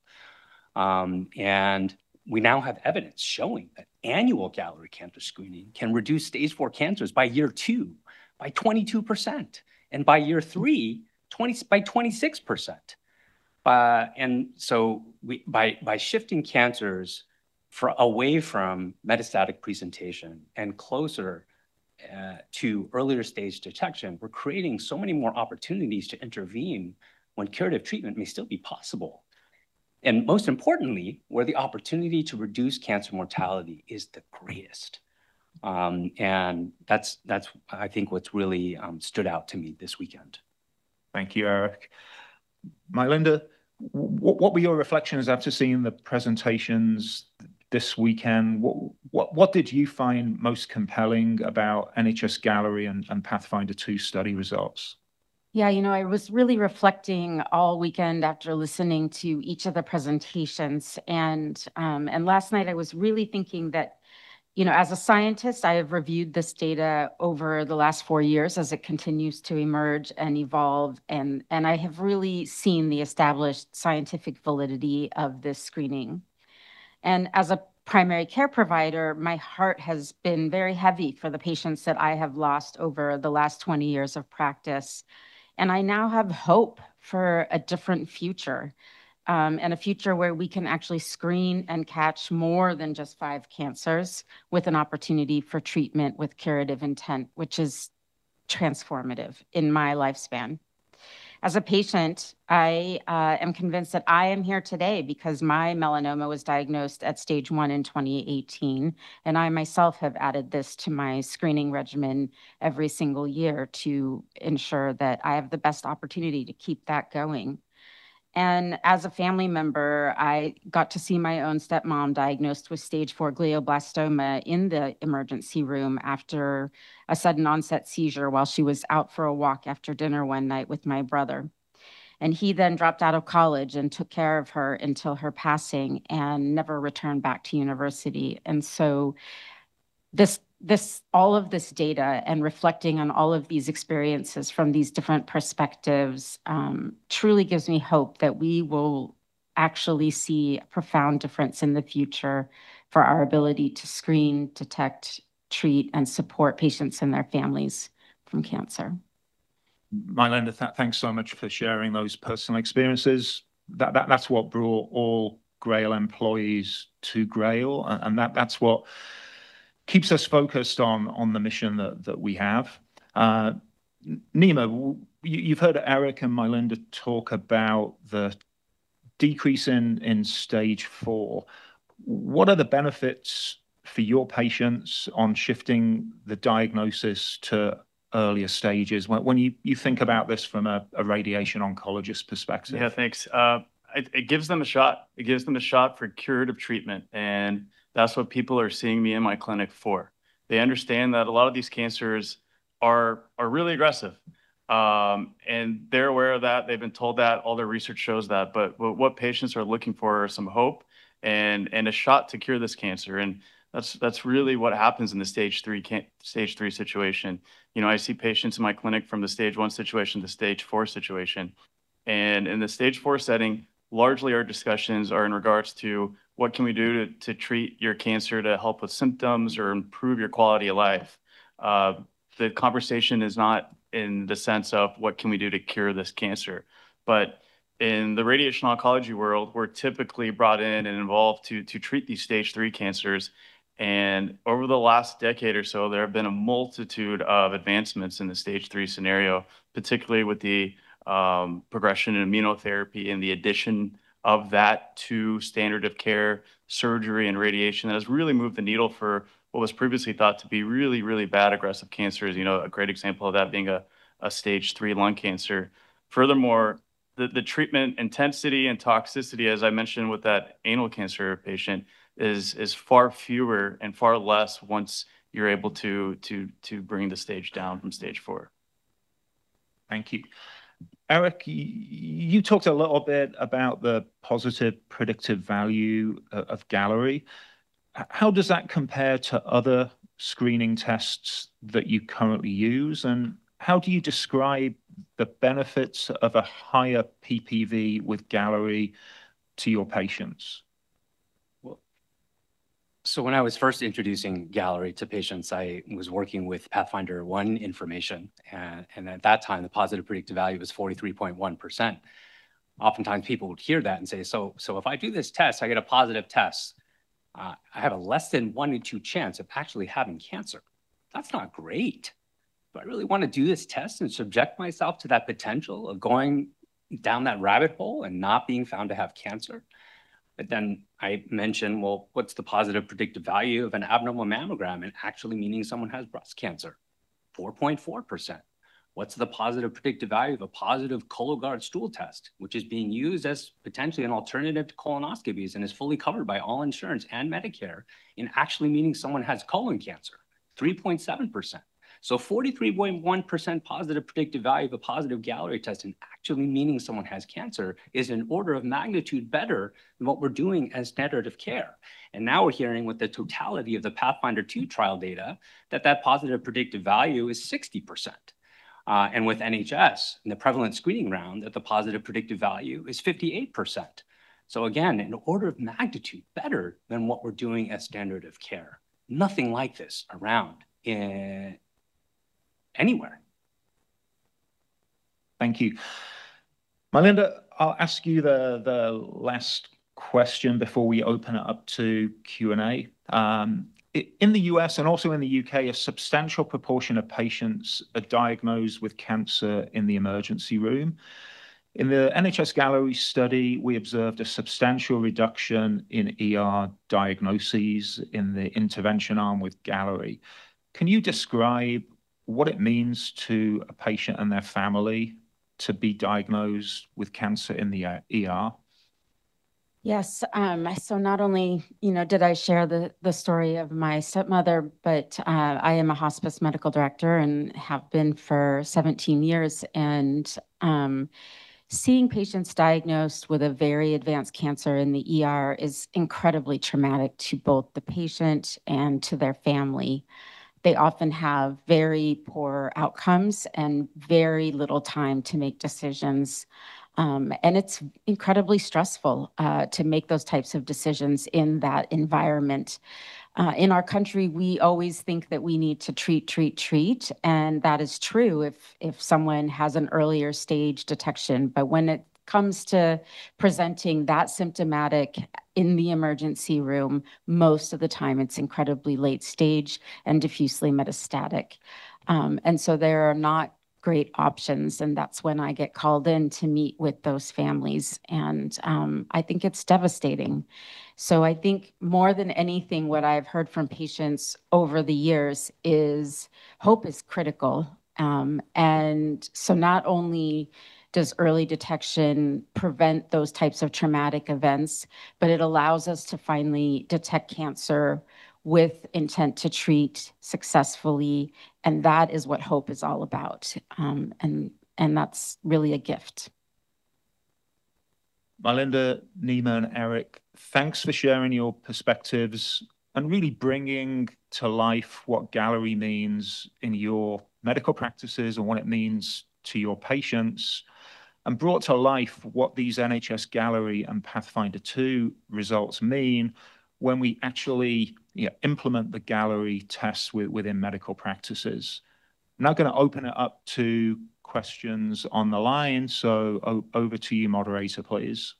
S8: We now have evidence showing that annual Galleri cancer screening can reduce stage 4 cancers by year 2 by 22%, and by year 3 by 26%. By shifting cancers away from metastatic presentation and closer to earlier stage detection, we're creating so many more opportunities to intervene when curative treatment may still be possible, and most importantly, where the opportunity to reduce cancer mortality is the greatest. That's, I think what's really stood out to me this weekend.
S5: Thank you, Eric. Mylynda, what were your reflections after seeing the presentations this weekend? What did you find most compelling about NHS-Galleri and PATHFINDER 2 study results?
S6: Yeah. I was really reflecting all weekend after listening to each of the presentations, last night I was really thinking that, as a scientist, I have reviewed this data over the last four years as it continues to emerge and evolve and I have really seen the established scientific validity of this screening. As a primary care provider, my heart has been very heavy for the patients that I have lost over the last 20 years of practice. I now have hope for a different future, and a future where we can actually screen and catch more than just five cancers with an opportunity for treatment with curative intent, which is transformative in my lifespan. As a patient, I am convinced that I am here today because my melanoma was diagnosed at stage 1 in 2018. I myself have added this to my screening regimen every single year to ensure that I have the best opportunity to keep that going. As a family member, I got to see my own stepmom diagnosed with stage 4 glioblastoma in the emergency room after a sudden onset seizure while she was out for a walk after dinner one night with my brother. He then dropped out of college and took care of her until her passing and never returned back to university. All of this data and reflecting on all of these experiences from these different perspectives truly gives me hope that we will actually see a profound difference in the future for our ability to screen, detect, treat, and support patients and their families from cancer.
S5: Mylynda, thanks so much for sharing those personal experiences. That's what brought all GRAIL employees to GRAIL, and that's what keeps us focused on the mission that we have. Nima, you've heard Eric and Mylynda talk about the decrease in stage 4. What are the benefits for your patients on shifting the diagnosis to earlier stages when you think about this from a radiation oncologist perspective?
S7: Yeah, thanks. It gives them a shot for curative treatment, and that's what people are seeing me in my clinic for. They understand that a lot of these cancers are really aggressive. They're aware of that, they've been told that, all their research shows that, but what patients are looking for is some hope and a shot to cure this cancer. That's really what happens in the stage 3 situation. I see patients in my clinic from the stage 1 situation to stage 4 situation. In the stage 4 setting, largely our discussions are in regards to what can we do to treat your cancer to help with symptoms or improve your quality of life? The conversation is not in the sense of what can we do to cure this cancer. In the radiation oncology world, we're typically brought in and involved to treat these stage 3 cancers, and over the last decade or so, there have been a multitude of advancements in the stage 3 scenario, particularly with the progression in immunotherapy and the addition of that to standard of care surgery and radiation that has really moved the needle for what was previously thought to be really, really bad, aggressive cancers, a great example of that being a stage 3 lung cancer. The treatment intensity and toxicity, as I mentioned with that anal cancer patient, is far fewer and far less once you're able to bring the stage down from stage 4.
S5: Thank you. Eric, you talked a little bit about the positive predictive value of Galleri. How does that compare to other screening tests that you currently use, and how do you describe the benefits of a higher PPV with Galleri to your patients?
S8: When I was first introducing Galleri to patients, I was working with PATHFINDER 1 information. At that time, the positive predictive value was 43.1%. Oftentimes, people would hear that and say, "So if I do this test, I get a positive test. I have a less than one in two chance of actually having cancer. That's not great. Do I really want to do this test and subject myself to that potential of going down that rabbit hole and not being found to have cancer?" I mention, well, what's the positive predictive value of an abnormal mammogram and actually meaning someone has breast cancer? 4.4%. What's the positive predictive value of a positive Cologuard stool test, which is being used as potentially an alternative to colonoscopies and is fully covered by all insurance and Medicare, in actually meaning someone has colon cancer? 3.7%. 43.1% positive predictive value of a positive Galleri test and actually meaning someone has cancer is an order of magnitude better than what we're doing as standard of care. Now we're hearing with the totality of the PATHFINDER 2 trial data that that positive predictive value is 60%. With NHS, in the prevalent screening round, that the positive predictive value is 58%. Again, an order of magnitude better than what we're doing as standard of care. Nothing like this around anywhere.
S5: Thank you. Mylynda, I'll ask you the last question before we open it up to Q&A. In the U.S. and also in the U.K., a substantial proportion of patients are diagnosed with cancer in the emergency room. In the NHS-Galleri study, we observed a substantial reduction in ER diagnoses in the intervention arm with Galleri. Can you describe what it means to a patient and their family to be diagnosed with cancer in the ER?
S6: Yes. Not only did I share the story of my stepmother, but I am a hospice medical director and have been for 17 years. Seeing patients diagnosed with a very advanced cancer in the ER is incredibly traumatic to both the patient and to their family. They often have very poor outcomes and very little time to make decisions. It's incredibly stressful to make those types of decisions in that environment. In our country, we always think that we need to treat, treat, and that is true if someone has an earlier stage detection. When it comes to presenting that symptomatic in the emergency room, most of the time it's incredibly late stage and diffusely metastatic. There are not great options, and that's when I get called in to meet with those families, and I think it's devastating. I think more than anything, what I've heard from patients over the years is hope is critical. Not only does early detection prevent those types of traumatic events, but it allows us to finally detect cancer with intent to treat successfully, and that is what hope is all about. That's really a gift.
S5: Mylynda, Nima, and Eric, thanks for sharing your perspectives and really bringing to life what Galleri means in your medical practices and what it means to your patients, and brought to life what these NHS-Galleri and PATHFINDER 2 results mean when we actually implement the Galleri tests within medical practices. Going to open it up to questions on the line. Over to you, moderator, please.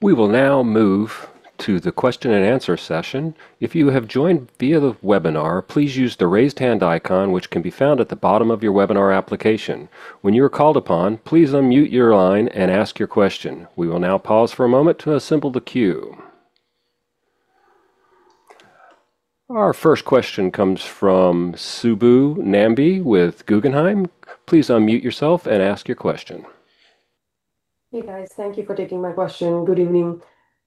S1: We will now move to the question and answer session. If you have joined via the webinar, please use the raised hand icon, which can be found at the bottom of your webinar application. When you are called upon, please unmute your line and ask your question. We will now pause for a moment to assemble the queue. Our first question comes from Subbu Nambi with Guggenheim. Please unmute yourself and ask your question.
S9: Hey, guys. Thank you for taking my question. Good evening.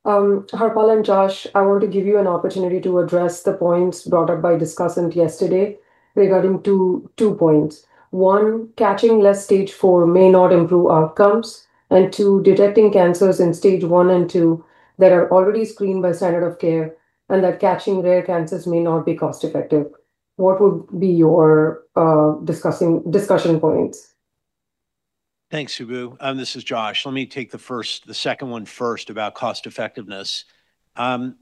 S9: Harpal and Josh, I want to give you an opportunity to address the points brought up by discussant yesterday regarding two points. One, catching less stage 4 may not improve outcomes, and two, detecting cancers in stage 1 and 2 that are already screened by standard of care, and that catching rare cancers may not be cost-effective. What would be your discussion points?
S3: Thanks, Subbu. This is Josh. Let me take the first, the second one first of the cost-effectiveness. And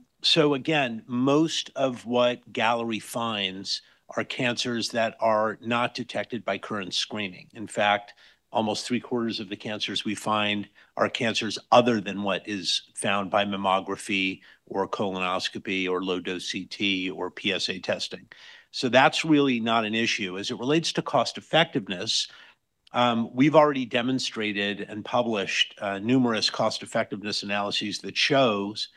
S3: Again, most of what Galleri finds are cancers that are not detected by current screening. In fact, almost three-quarters of the cancers we find are cancers other than what is found by mammography or colonoscopy or low-dose CT or PSA testing. That's really not an issue. As it relates to cost-effectiveness, we've already demonstrated and published numerous cost-effectiveness analyses that shows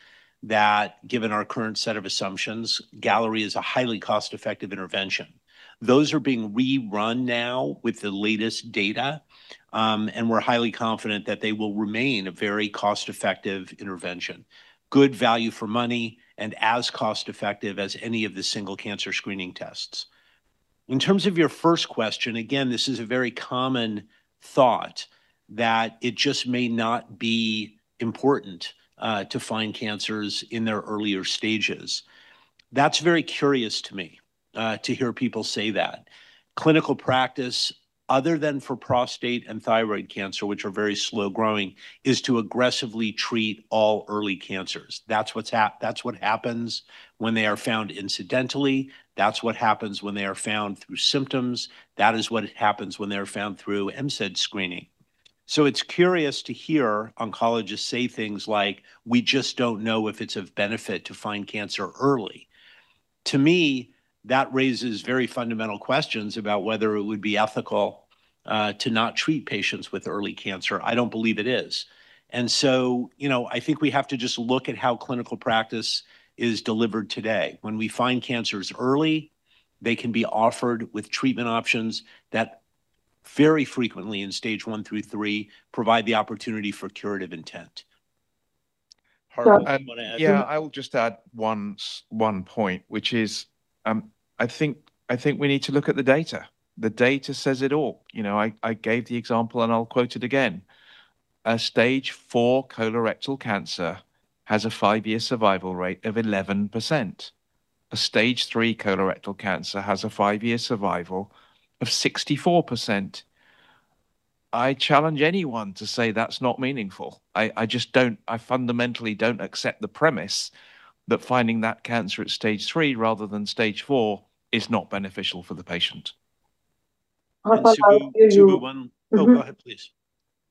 S3: that given our current set of assumptions, Galleri is a highly cost-effective intervention. Those are being rerun now with the latest data. We're highly confident that they will remain a very cost-effective intervention, good value for money, and as cost-effective as any of the single cancer screening tests. In terms of your first question, again, this is a very common thought that it just may not be important to find cancers in their earlier stages. That's very curious to me to hear people say that. Clinical practice, other than for prostate and thyroid cancer, which are very slow-growing, is to aggressively treat all early cancers. That's what happens when they are found incidentally. That's what happens when they are found through symptoms. That is what happens when they're found through MCED screening. It's curious to hear oncologists say things like, "We just don't know if it's of benefit to find cancer early." To me, that raises very fundamental questions about whether it would be ethical to not treat patients with early cancer. I don't believe it is. I think we have to just look at how clinical practice is delivered today. When we find cancers early, they can be offered with treatment options that very frequently in stage I-III provide the opportunity for curative intent.
S5: Harpal, do you want to add to that?
S4: Yeah, I will just add one point, which is, I think we need to look at the data. The data says it all. I gave the example and I'll quote it again. A stage 4 colorectal cancer has a five-year survival rate of 11%. A stage 3 colorectal cancer has a five-year survival of 64%. I challenge anyone to say that's not meaningful. I fundamentally don't accept the premise that finding that cancer at stage 3 rather than stage 4 is not beneficial for the patient.
S5: And Subbu-
S9: Harpal, I hear you.
S5: Oh, go ahead, please.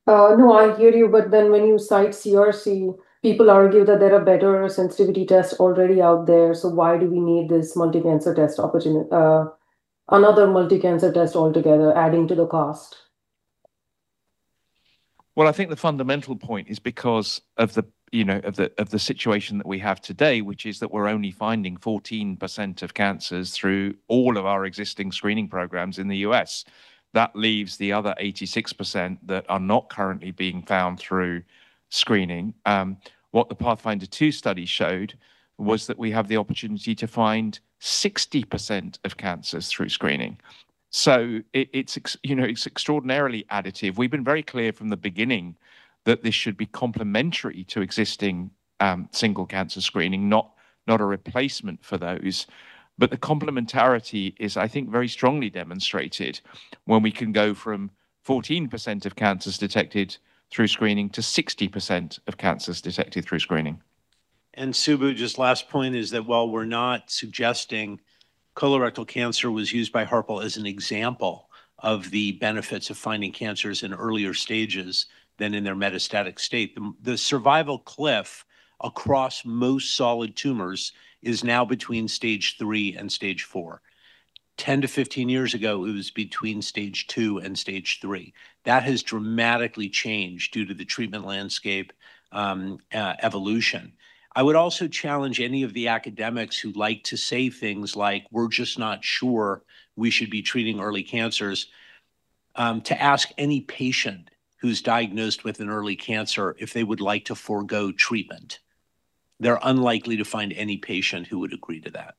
S9: No, I hear you. When you cite CRC, people argue that there are better sensitivity tests already out there, why do we need another multi-cancer test altogether, adding to the cost?
S4: I think the fundamental point is because of the situation that we have today, which is that we're only finding 14% of cancers through all of our existing screening programs in the U.S. That leaves the other 86% that are not currently being found through screening. What the PATHFINDER 2 study showed was that we have the opportunity to find 60% of cancers through screening. It's extraordinarily additive. We've been very clear from the beginning that this should be complementary to existing single cancer screening, not a replacement for those. The complementarity is, I think, very strongly demonstrated when we can go from 14% of cancers detected through screening to 60% of cancers detected through screening.
S3: Subbu, just last point is that while we're not suggesting colorectal cancer was used by Harpal as an example of the benefits of finding cancers in earlier stages than in their metastatic state, the survival cliff across most solid tumors is now between stage 3 and stage 4. 10-15 years ago, it was between stage 2 and stage 3. That has dramatically changed due to the treatment landscape evolution. I would also challenge any of the academics who like to say things like, "We're just not sure we should be treating early cancers," to ask any patient who's diagnosed with an early cancer if they would like to forego treatment. They're unlikely to find any patient who would agree to that.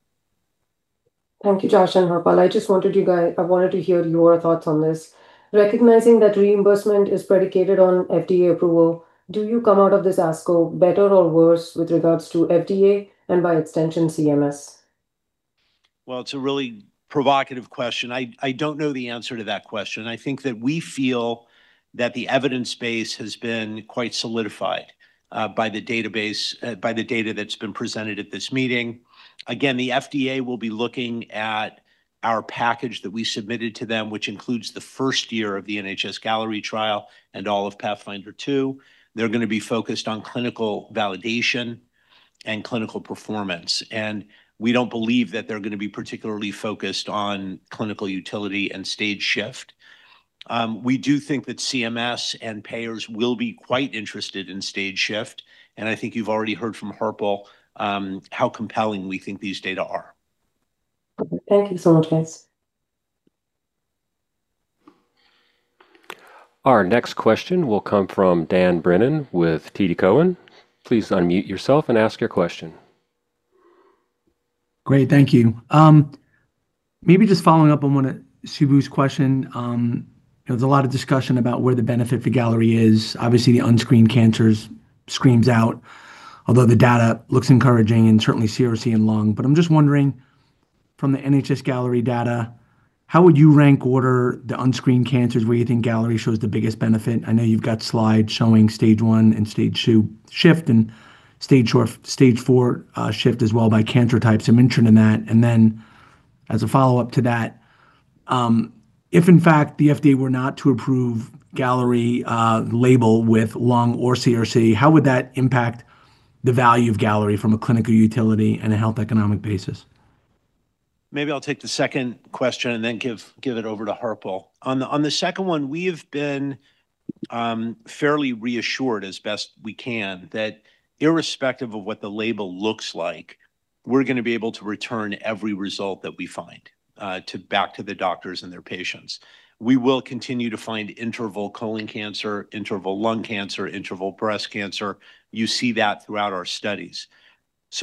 S9: Thank you, Josh and Harpal. I wanted to hear your thoughts on this. Recognizing that reimbursement is predicated on FDA approval, do you come out of this ASCO better or worse with regards to FDA and by extension CMS?
S3: Well, it's a really provocative question. I don't know the answer to that question. I think that we feel that the evidence base has been quite solidified by the data that's been presented at this meeting. Again, the FDA will be looking at our package that we submitted to them, which includes the first year of the NHS-Galleri trial and all of PATHFINDER 2. They're going to be focused on clinical validation and clinical performance. We don't believe that they're going to be particularly focused on clinical utility and stage shift. We do think that CMS and payers will be quite interested in stage shift, and I think you've already heard from Harpal how compelling we think these data are.
S9: Okay. Thank you so much, guys.
S1: Our next question will come from Dan Brennan with TD Cowen. Please unmute yourself and ask your question.
S10: Great, thank you. Maybe just following up on one of Subbu's question. There was a lot of discussion about where the benefit for Galleri is. Obviously, the unscreened cancers screams out, although the data looks encouraging in certainly CRC and lung. I'm just wondering, from the NHS-Galleri data, how would you rank order the unscreened cancers where you think Galleri shows the biggest benefit? I know you've got slides showing stage 1 and stage 2 shift and stage 4 shift as well by cancer types, some interim in that. As a follow-up to that, if in fact the FDA were not to approve Galleri label with lung or CRC, how would that impact the value of Galleri from a clinical utility and a health economic basis?
S3: Maybe I'll take the second question and then give it over to Harpal. On the second one, we have been fairly reassured as best we can that irrespective of what the label looks like, we're going to be able to return every result that we find back to the doctors and their patients. We will continue to find interval colon cancer, interval lung cancer, interval breast cancer. You see that throughout our studies.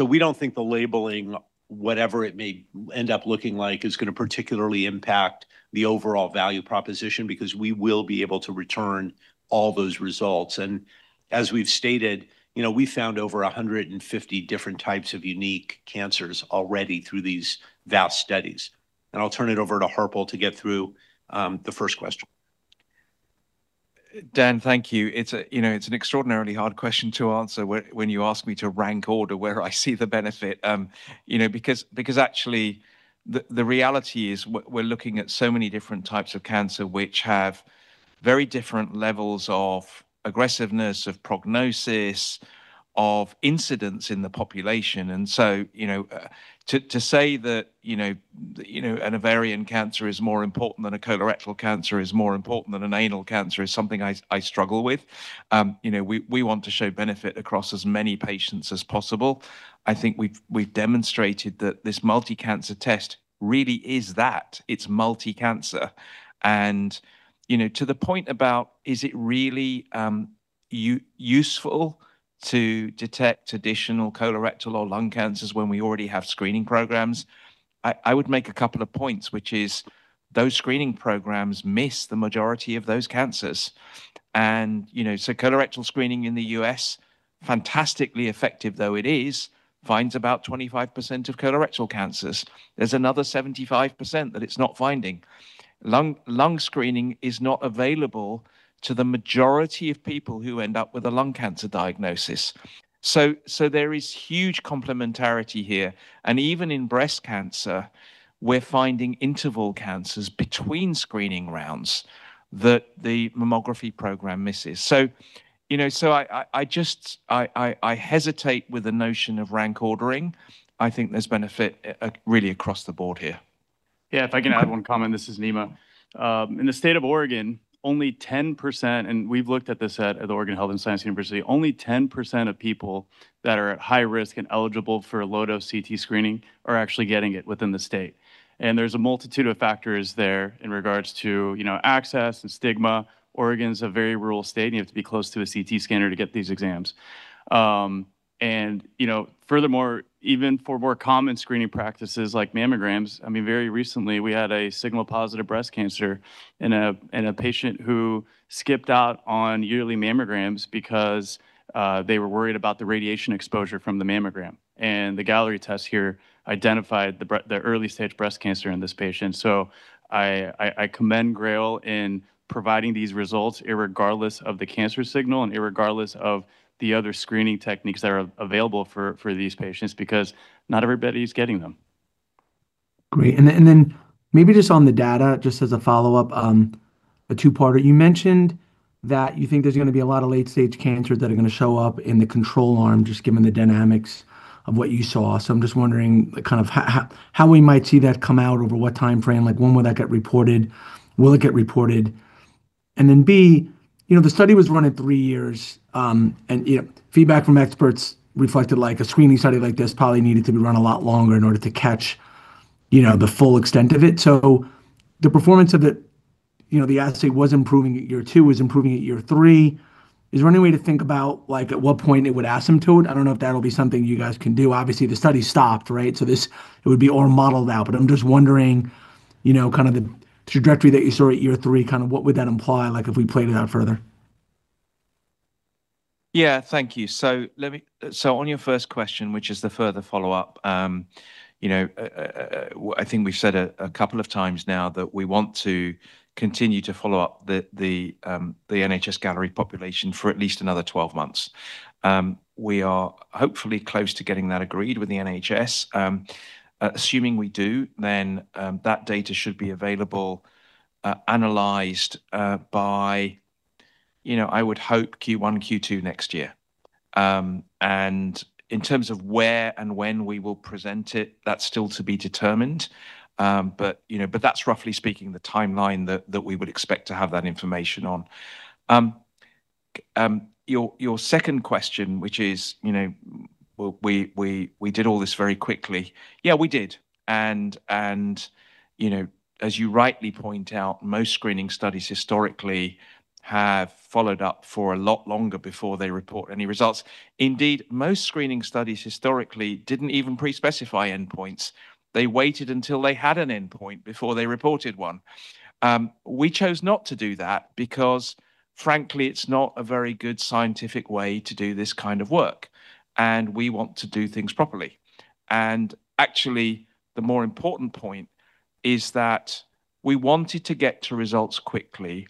S3: We don't think the labeling, whatever it may end up looking like, is going to particularly impact the overall value proposition because we will be able to return all those results. As we've stated, we found over 150 different types of unique cancers already through these vast studies. I'll turn it over to Harpal to get through the first question.
S4: Dan, thank you. It's an extraordinarily hard question to answer when you ask me to rank order where I see the benefit. Actually, the reality is we're looking at so many different types of cancer, which have very different levels of aggressiveness, of prognosis, of incidence in the population. To say that an ovarian cancer is more important than a colorectal cancer is more important than an anal cancer is something I struggle with. We want to show benefit across as many patients as possible. I think we've demonstrated that this multi-cancer test really is that. It's multi-cancer and to the point about is it really useful to detect additional colorectal or lung cancers when we already have screening programs? I would make a couple of points, which is those screening programs miss the majority of those cancers. Colorectal screening in the U.S., fantastically effective though it is, finds about 25% of colorectal cancers. There's another 75% that it's not finding. Lung screening is not available to the majority of people who end up with a lung cancer diagnosis. There is huge complementarity here, and even in breast cancer, we're finding interval cancers between screening rounds that the mammography program misses. I hesitate with the notion of rank ordering. I think there's benefit really across the board here.
S7: Yeah, if I can add one comment, this is Nima. In the state of Oregon, only 10%, and we've looked at this at the Oregon Health & Science University, only 10% of people that are at high risk and eligible for a low-dose CT screening are actually getting it within the state. There's a multitude of factors there in regards to access and stigma. Oregon's a very rural state, and you have to be close to a CT scanner to get these exams. Furthermore, even for more common screening practices like mammograms, very recently, we had a signal-positive breast cancer in a patient who skipped out on yearly mammograms because they were worried about the radiation exposure from the mammogram. The Galleri test here identified the early-stage breast cancer in this patient. I commend GRAIL in providing these results irregardless of the cancer signal and irregardless of the other screening techniques that are available for these patients, because not everybody's getting them.
S10: Great, then maybe just on the data, just as a follow-up, a two-parter. You mentioned that you think there's going to be a lot of late-stage cancer that are going to show up in the control arm, just given the dynamics of what you saw. I'm just wondering how we might see that come out, over what timeframe. When will that get reported? Will it get reported? Then B, the study was run at three years, and feedback from experts reflected a screening study like this probably needed to be run a lot longer in order to catch the full extent of it. The assay was improving at year two, was improving at year three. Is there any way to think about at what point it would asymptote? I don't know if that'll be something you guys can do. Obviously, the study stopped, right? This would be all modeled out, but I'm just wondering kind of the trajectory that you saw at year three, what would that imply if we played it out further?
S4: Thank you. On your first question, which is the further follow-up, I think we've said a couple of times now that we want to continue to follow up the NHS-Galleri population for at least another 12 months. We are hopefully close to getting that agreed with the NHS. Assuming we do, that data should be available, analyzed by, I would hope, Q1, Q2 next year. In terms of where and when we will present it, that's still to be determined. That's roughly speaking the timeline that we would expect to have that information on. Your second question, which is we did all this very quickly. We did. As you rightly point out, most screening studies historically have followed up for a lot longer before they report any results. Indeed, most screening studies historically didn't even pre-specify endpoints. They waited until they had an endpoint before they reported one. We chose not to do that because frankly, it's not a very good scientific way to do this kind of work, and we want to do things properly. Actually, the more important point is that we wanted to get to results quickly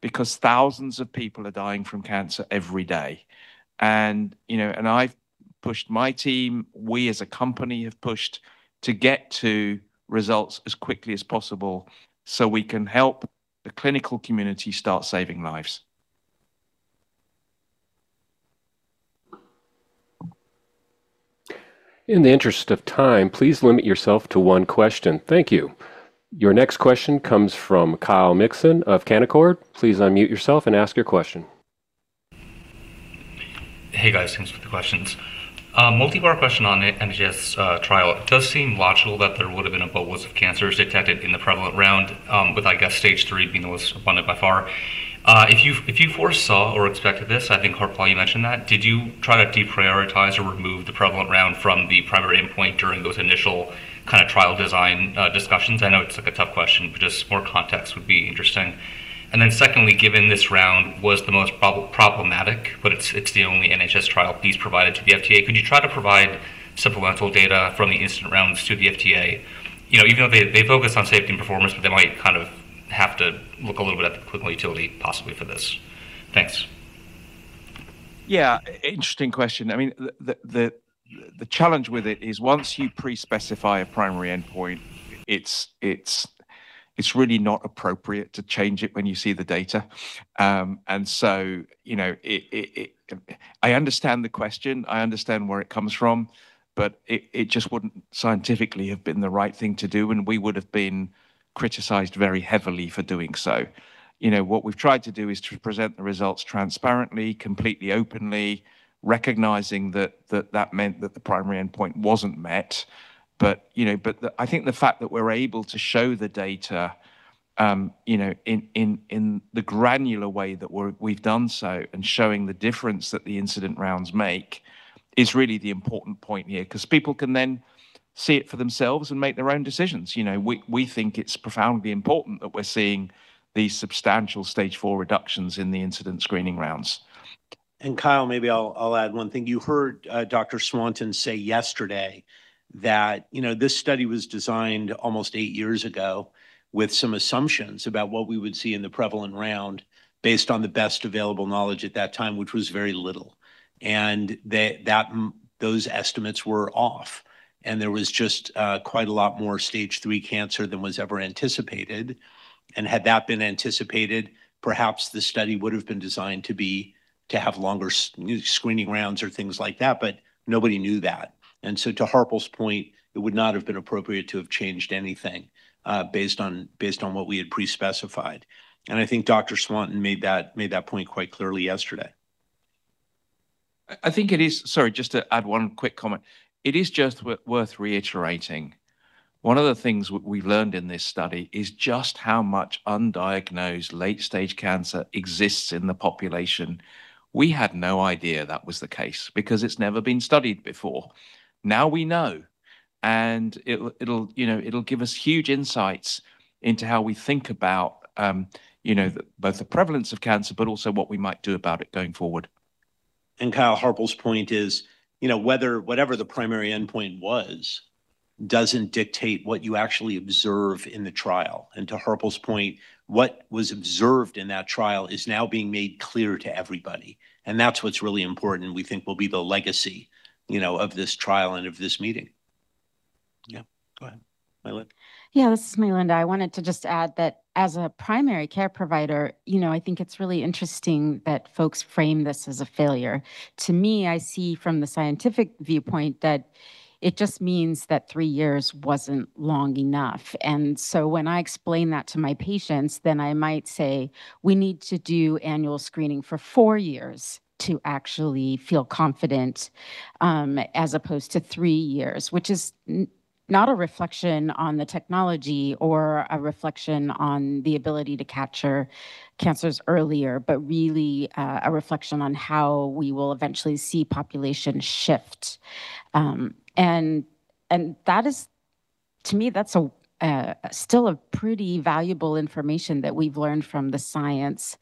S4: because thousands of people are dying from cancer every day. I've pushed my team, we as a company have pushed to get to results as quickly as possible so we can help the clinical community start saving lives.
S1: In the interest of time, please limit yourself to one question. Thank you. Your next question comes from Kyle Mikson of Canaccord. Please unmute yourself and ask your question.
S11: Hey, guys. Thanks for the questions. Multi-part question on it, NHS trial. It does seem logical that there would've been a boatload of cancers detected in the prevalent round, with, I guess, stage 3 being the most abundant by far. If you foresaw or expected this, I think Harpal you mentioned that, did you try to deprioritize or remove the prevalent round from the primary endpoint during those initial kind of trial design discussions? I know it's a tough question, but just more context would be interesting. Secondly, given this round was the most problematic, but it's the only NHS trial piece provided to the FDA, could you try to provide supplemental data from the incident rounds to the FDA? Even though they focus on safety and performance, but they might kind of have to look a little bit at the clinical utility possibly for this. Thanks.
S4: Yeah. Interesting question. The challenge with it is once you pre-specify a primary endpoint, it's really not appropriate to change it when you see the data. I understand the question, I understand where it comes from, it just wouldn't scientifically have been the right thing to do, and we would've been criticized very heavily for doing so. What we've tried to do is to present the results transparently, completely openly, recognizing that that meant that the primary endpoint wasn't met. I think the fact that we're able to show the data in the granular way that we've done so, and showing the difference that the incident rounds make is really the important point here, because people can then see it for themselves and make their own decisions. We think it's profoundly important that we're seeing these substantial stage 4 reductions in the incident screening rounds.
S3: Kyle, maybe I'll add one thing. You heard Dr. Swanton say yesterday that this study was designed almost eight years ago with some assumptions about what we would see in the prevalent round based on the best available knowledge at that time, which was very little. Those estimates were off, and there was just quite a lot more stage 3 cancer than was ever anticipated. Had that been anticipated, perhaps the study would've been designed to have longer screening rounds or things like that, but nobody knew that. To Harpal's point, it would not have been appropriate to have changed anything based on what we had pre-specified. I think Dr. Swanton made that point quite clearly yesterday.
S4: Sorry, just to add one quick comment. It is just worth reiterating, one of the things we learned in this study is just how much undiagnosed late-stage cancer exists in the population. We had no idea that was the case because it's never been studied before. Now we know. It'll give us huge insights into how we think about both the prevalence of cancer, but also what we might do about it going forward.
S3: Kyle, Harpal's point is, whatever the primary endpoint was, doesn't dictate what you actually observe in the trial. To Harpal's point, what was observed in that trial is now being made clear to everybody, and that's what's really important and we think will be the legacy of this trial and of this meeting. Yeah. Go ahead, Mylynda.
S6: Yeah. This is Mylynda. I wanted to just add that as a primary care provider, I think it's really interesting that folks frame this as a failure. To me, I see from the scientific viewpoint that it just means that three years wasn't long enough. When I explain that to my patients, then I might say, "We need to do annual screening for four years to actually feel confident," as opposed to three years, which is not a reflection on the technology or a reflection on the ability to capture cancers earlier, but really a reflection on how we will eventually see population shift. To me, that's still a pretty valuable information that we've learned from the science.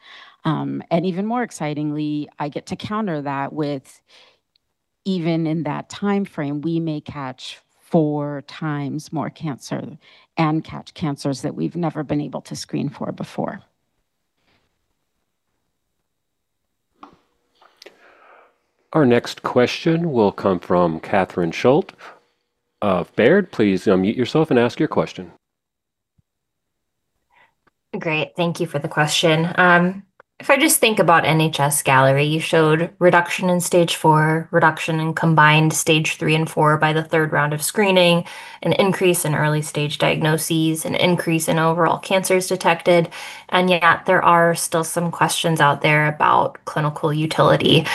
S6: Even more excitingly, I get to counter that with even in that timeframe, we may catch four times more cancer and catch cancers that we've never been able to screen for before.
S1: Our next question will come from Catherine Schulte of Baird. Please unmute yourself and ask your question.
S12: Great. Thank you for the question. If I just think about NHS-Galleri, you showed reduction in stage 4, reduction in combined stage III and IV by the third round of screening, an increase in early-stage diagnoses, an increase in overall cancers detected, yet there are still some questions out there about clinical utility.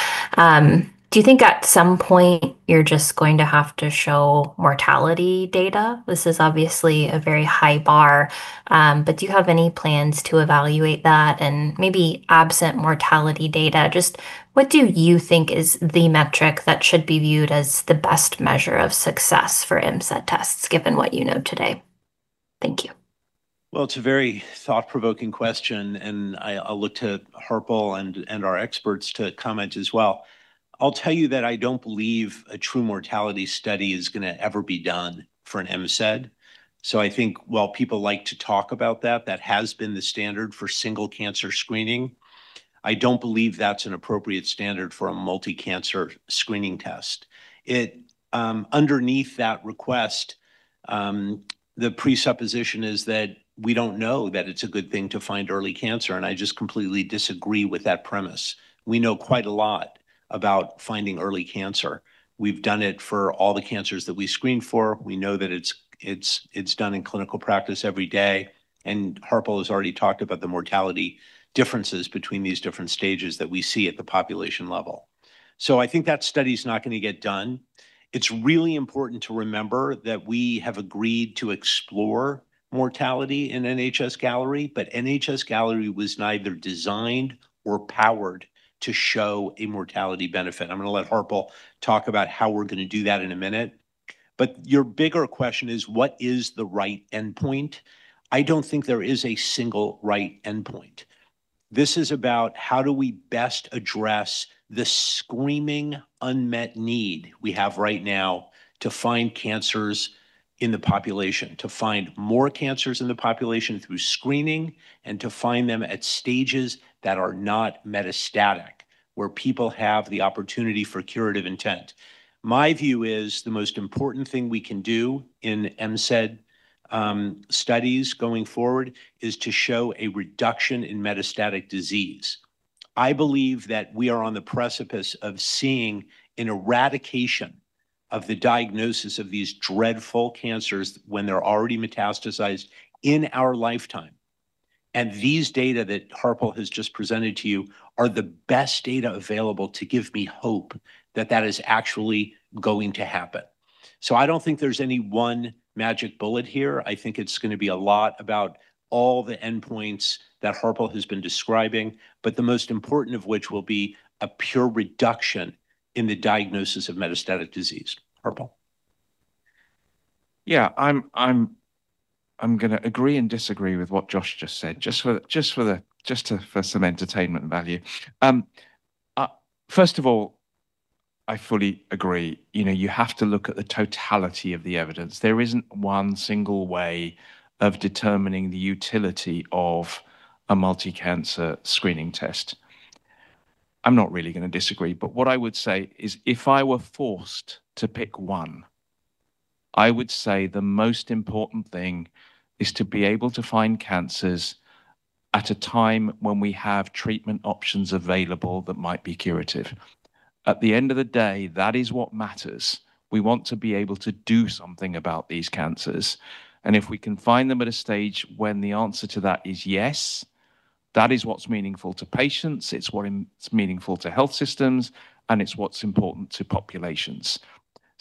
S12: Do you think at some point you're just going to have to show mortality data? This is obviously a very high bar, do you have any plans to evaluate that? Maybe absent mortality data, just what do you think is the metric that should be viewed as the best measure of success for MCED tests, given what you know today? Thank you.
S3: Well, it's a very thought-provoking question, and I'll look to Harpal and our experts to comment as well. I'll tell you that I don't believe a true mortality study is going to ever be done for an MCED. I think while people like to talk about that has been the standard for single cancer screening. I don't believe that's an appropriate standard for a multi-cancer screening test. Underneath that request, the presupposition is that we don't know that it's a good thing to find early cancer, and I just completely disagree with that premise. We know quite a lot about finding early cancer. We've done it for all the cancers that we screen for. We know that it's done in clinical practice every day, and Harpal has already talked about the mortality differences between these different stages that we see at the population level. I think that study's not going to get done. It's really important to remember that we have agreed to explore mortality in NHS-Galleri, but NHS-Galleri was neither designed or powered to show a mortality benefit. I'm going to let Harpal talk about how we're going to do that in a minute. Your bigger question is what is the right endpoint? I don't think there is a single right endpoint. This is about how do we best address the screaming unmet need we have right now to find cancers in the population, to find more cancers in the population through screening, and to find them at stages that are not metastatic, where people have the opportunity for curative intent. My view is the most important thing we can do in MCED studies going forward is to show a reduction in metastatic disease. I believe that we are on the precipice of seeing an eradication of the diagnosis of these dreadful cancers when they're already metastasized in our lifetime. These data that Harpal has just presented to you are the best data available to give me hope that that is actually going to happen. I don't think there's any one magic bullet here. I think it's going to be a lot about all the endpoints that Harpal has been describing, but the most important of which will be a pure reduction in the diagnosis of metastatic disease. Harpal.
S4: Yeah. I'm going to agree and disagree with what Josh just said, just for some entertainment value. First of all, I fully agree. You have to look at the totality of the evidence. There isn't one single way of determining the utility of a multi-cancer screening test. I'm not really going to disagree, but what I would say is if I were forced to pick one, I would say the most important thing is to be able to find cancers at a time when we have treatment options available that might be curative. At the end of the day, that is what matters. If we can find them at a stage when the answer to that is yes, that is what's meaningful to patients, it's what's meaningful to health systems, and it's what's important to populations.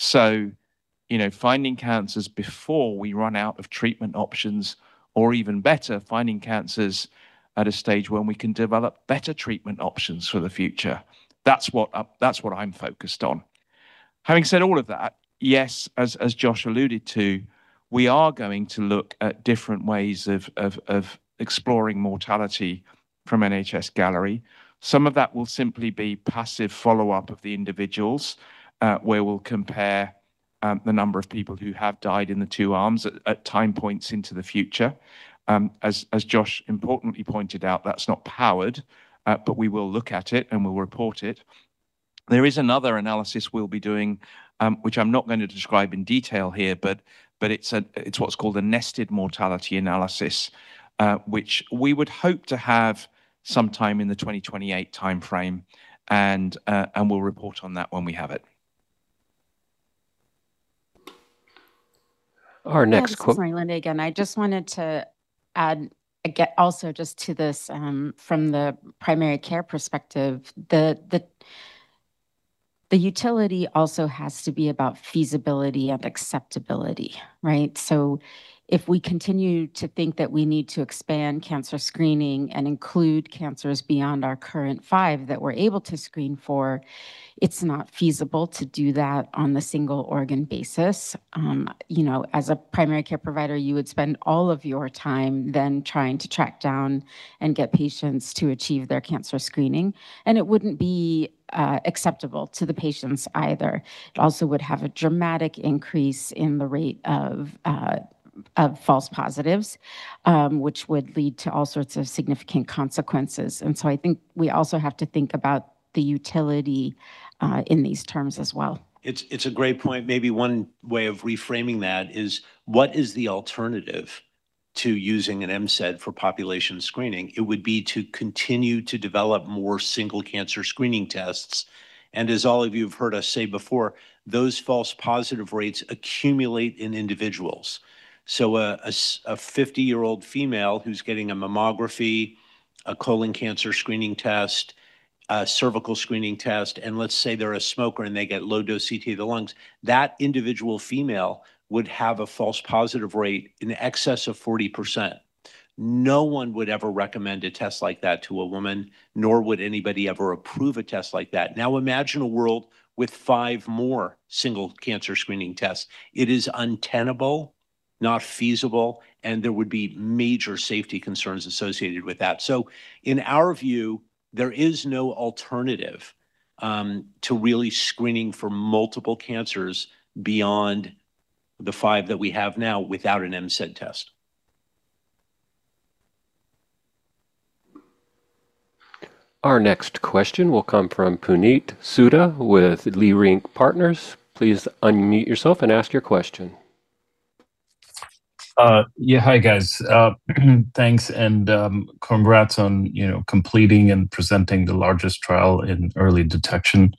S4: Finding cancers before we run out of treatment options, or even better, finding cancers at a stage when we can develop better treatment options for the future. That's what I'm focused on. Having said all of that, yes, as Josh alluded to, we are going to look at different ways of exploring mortality from NHS-Galleri. Some of that will simply be passive follow-up of the individuals, where we'll compare the number of people who have died in the two arms at time points into the future. As Josh importantly pointed out, that's not powered, but we will look at it, and we'll report it. There is another analysis we'll be doing, which I'm not going to describe in detail here, but it's what's called a nested mortality analysis, which we would hope to have sometime in the 2028 timeframe. We'll report on that when we have it.
S1: Our next que-
S6: This is Mylynda again. I just wanted to add, again, also just to this from the primary care perspective. The utility also has to be about feasibility and acceptability, right? If we continue to think that we need to expand cancer screening and include cancers beyond our current five that we're able to screen for, it's not feasible to do that on the single organ basis. As a primary care provider, you would spend all of your time then trying to track down and get patients to achieve their cancer screening, and it wouldn't be acceptable to the patients either. It also would have a dramatic increase in the rate of false positives, which would lead to all sorts of significant consequences. I think we also have to think about the utility in these terms as well.
S3: It's a great point. Maybe one way of reframing that is what is the alternative to using an MCED for population screening? It would be to continue to develop more single cancer screening tests. As all of you have heard us say before, those false positive rates accumulate in individuals. A 50-year-old female who's getting a mammography, a colon cancer screening test, a cervical screening test, and let's say they're a smoker and they get low-dose CT of the lungs, that individual female would have a false positive rate in excess of 40%. No one would ever recommend a test like that to a woman, nor would anybody ever approve a test like that. Imagine a world with five more single cancer screening tests. It is untenable, not feasible, and there would be major safety concerns associated with that. In our view, there is no alternative to really screening for multiple cancers beyond the five that we have now without an MCED test.
S1: Our next question will come from Puneet Souda with Leerink Partners. Please unmute yourself and ask your question.
S13: Yeah. Hi, guys. Thanks and congrats on completing and presenting the largest trial in early detection.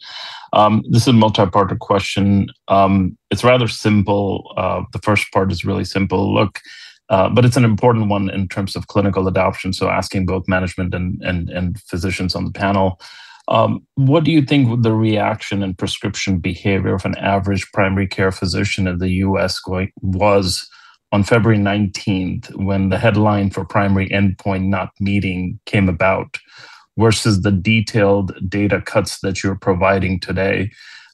S13: This is a multi-part question. It's rather simple. The first part is really simple. Look, it's an important one in terms of clinical adoption, so asking both management and physicians on the panel. What do you think the reaction and prescription behavior of an average primary care physician of the U.S. was on February 19th when the headline for primary endpoint not meeting came about, versus the detailed data cuts that you're providing today?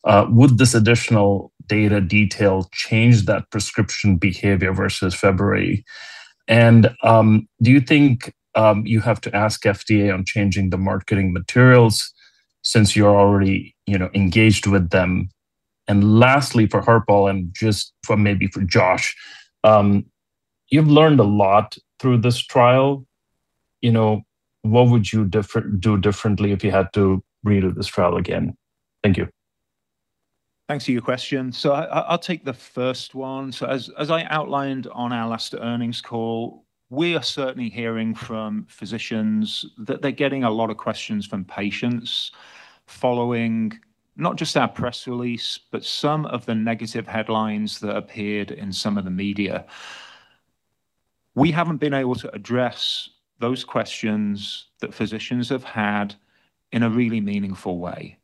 S13: Would this additional data detail change that prescription behavior versus February? Do you think you have to ask FDA on changing the marketing materials since you're already engaged with them? Lastly, for Harpal and just maybe for Josh, you've learned a lot through this trial. What would you do differently if you had to redo this trial again? Thank you.
S5: Thanks for your question. I'll take the first one. As I outlined on our last earnings call, we are certainly hearing from physicians that they're getting a lot of questions from patients following not just our press release, but some of the negative headlines that appeared in some of the media. We haven't been able to address those questions that physicians have had in a really meaningful way.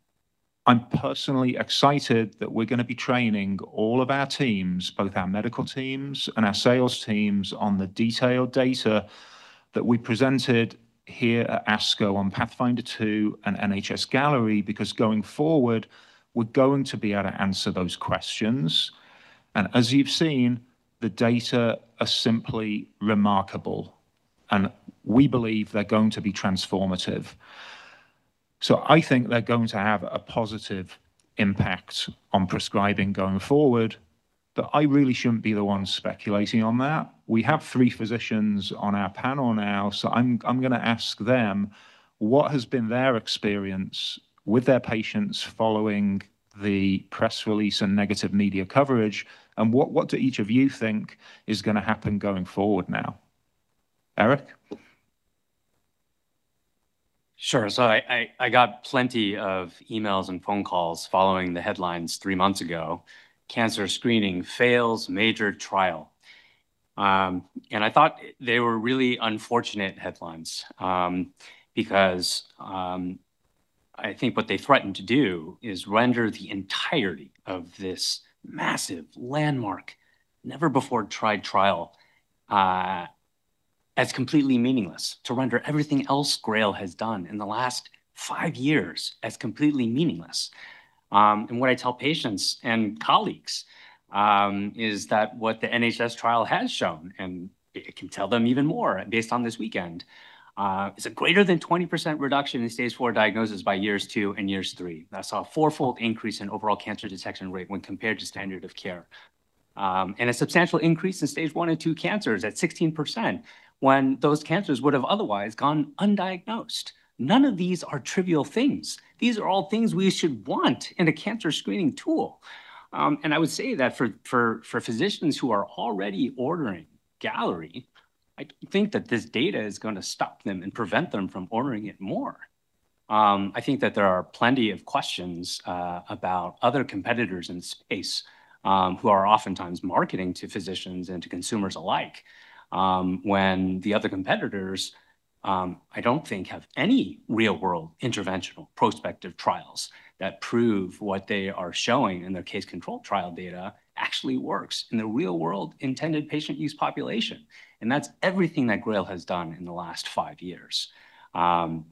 S5: I'm personally excited that we're going to be training all of our teams, both our medical teams and our sales teams, on the detailed data that we presented here at ASCO on PATHFINDER 2 and NHS-Galleri, because going forward, we're going to be able to answer those questions. As you've seen, the data are simply remarkable, and we believe they're going to be transformative. I think they're going to have a positive impact on prescribing going forward, but I really shouldn't be the one speculating on that. We have three physicians on our panel now. I'm going to ask them what has been their experience with their patients following the press release and negative media coverage, and what do each of you think is going to happen going forward now? Eric?
S8: Sure. I got plenty of emails and phone calls following the headlines three months ago. "Cancer screening fails major trial." I thought they were really unfortunate headlines, because I think what they threatened to do is render the entirety of this massive landmark, never-before-tried trial as completely meaningless, to render everything else GRAIL has done in the last five years as completely meaningless. What I tell patients and colleagues is that what the NHS trial has shown, and it can tell them even more based on this weekend, is a greater than 20% reduction in stages 4 diagnoses by years two and years three. That saw a fourfold increase in overall cancer detection rate when compared to standard of care. A substantial increase in stage 1 and 2 cancers at 16%, when those cancers would have otherwise gone undiagnosed. None of these are trivial things. These are all things we should want in a cancer screening tool. I would say that for physicians who are already ordering Galleri, I don't think that this data is going to stop them and prevent them from ordering it more. I think that there are plenty of questions about other competitors in the space who are oftentimes marketing to physicians and to consumers alike. I don't think have any real-world interventional prospective trials that prove what they are showing in their case control trial data actually works in the real-world intended patient use population. That's everything that GRAIL has done in the last five years. I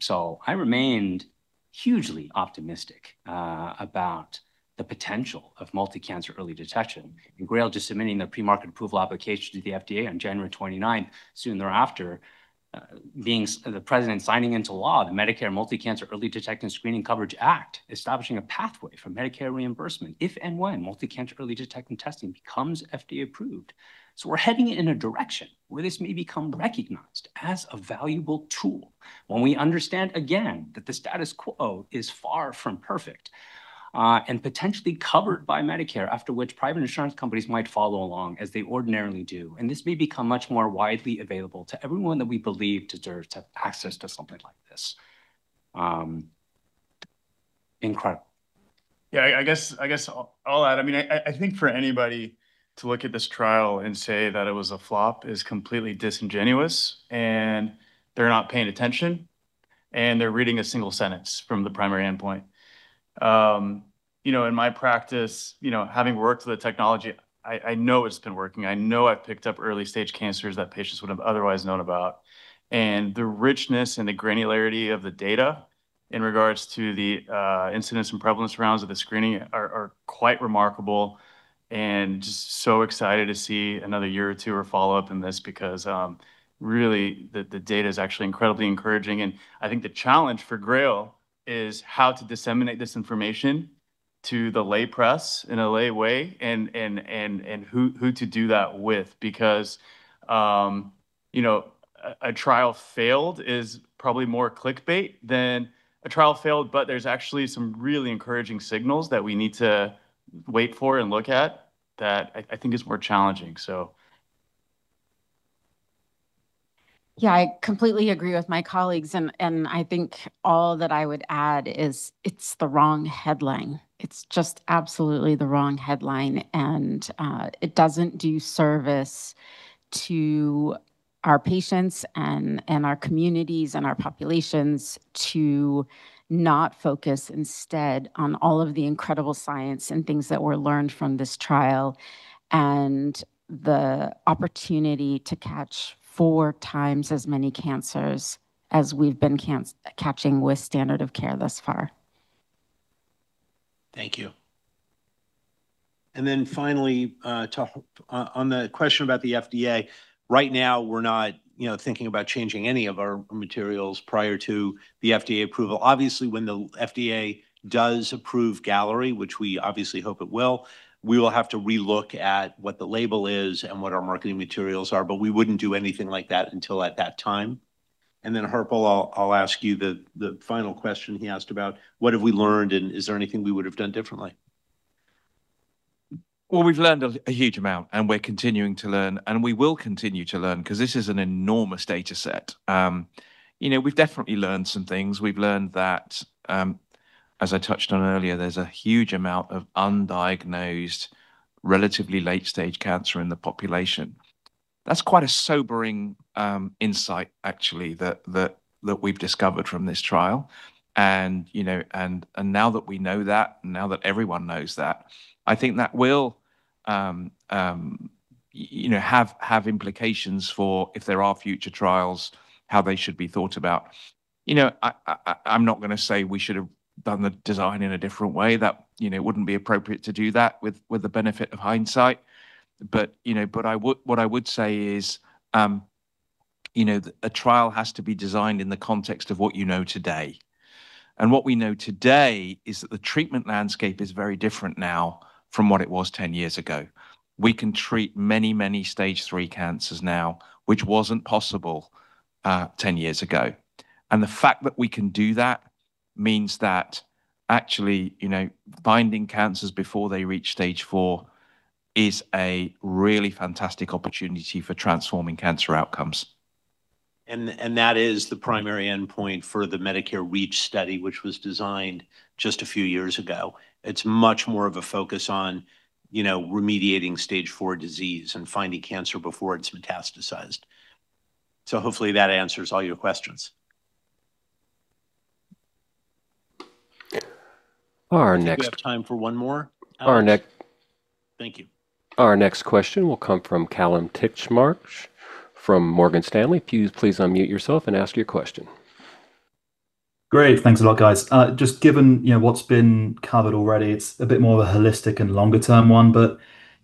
S8: remained hugely optimistic about the potential of multi-cancer early detection and GRAIL just submitting their pre-market approval application to the FDA on January 29th. Soon thereafter, the president signing into law the Medicare Multi-Cancer Early Detection Screening Coverage Act, establishing a pathway for Medicare reimbursement if and when multi-cancer early detection testing becomes FDA approved. We're heading in a direction where this may become recognized as a valuable tool when we understand, again, that the status quo is far from perfect. Potentially covered by Medicare, after which private insurance companies might follow along as they ordinarily do. This may become much more widely available to everyone that we believe deserves to have access to something like this. Incredible.
S7: I guess I'll add. I think for anybody to look at this trial and say that it was a flop is completely disingenuous, and they're not paying attention, and they're reading a single sentence from the primary endpoint. In my practice, having worked with the technology, I know it's been working. I know I've picked up early-stage cancers that patients wouldn't have otherwise known about. The richness and the granularity of the data in regards to the incidence and prevalence rounds of the screening are quite remarkable. Just so excited to see another year or two or follow-up in this because really, the data is actually incredibly encouraging. I think the challenge for GRAIL is how to disseminate this information to the lay press in a lay way and who to do that with. Because a trial failed is probably more clickbait than a trial failed. There's actually some really encouraging signals that we need to wait for and look at that I think is more challenging.
S6: Yeah, I completely agree with my colleagues, and I think all that I would add is it's the wrong headline. It's just absolutely the wrong headline, and it doesn't do service to our patients and our communities and our populations to not focus instead on all of the incredible science and things that were learned from this trial. The opportunity to catch four times as many cancers as we've been catching with standard of care thus far.
S3: Thank you. Finally, on the question about the FDA, right now we're not thinking about changing any of our materials prior to the FDA approval. Obviously, when the FDA does approve Galleri, which we obviously hope it will, we will have to re-look at what the label is and what our marketing materials are. We wouldn't do anything like that until at that time. Harpal, I'll ask you the final question he asked about what have we learned, and is there anything we would've done differently?
S4: Well, we've learned a huge amount, and we're continuing to learn, and we will continue to learn because this is an enormous data set. We've definitely learned some things. We've learned that, as I touched on earlier, there's a huge amount of undiagnosed relatively late-stage cancer in the population. That's quite a sobering insight, actually, that we've discovered from this trial. Now that we know that, now that everyone knows that, I think that will have implications for if there are future trials, how they should be thought about. I'm not going to say we should've done the design in a different way, that it wouldn't be appropriate to do that with the benefit of hindsight. What I would say is that a trial has to be designed in the context of what you know today. What we know today is that the treatment landscape is very different now from what it was 10 years ago. We can treat many stage 3 cancers now, which wasn't possible 10 years ago. The fact that we can do that means that actually finding cancers before they reach stage 4 is a really fantastic opportunity for transforming cancer outcomes.
S3: That is the primary endpoint for the Medicare REACH study, which was designed just a few years ago. It's much more of a focus on remediating stage 4 disease and finding cancer before it's metastasized. Hopefully that answers all your questions.
S1: Our next-
S3: I think we have time for one more, Alex.
S1: Our next-
S3: Thank you.
S1: Our next question will come from Kallum Titchmarsh from Morgan Stanley. Please unmute yourself and ask your question.
S14: Great. Thanks a lot, guys. Just given what's been covered already, it's a bit more of a holistic and longer-term one.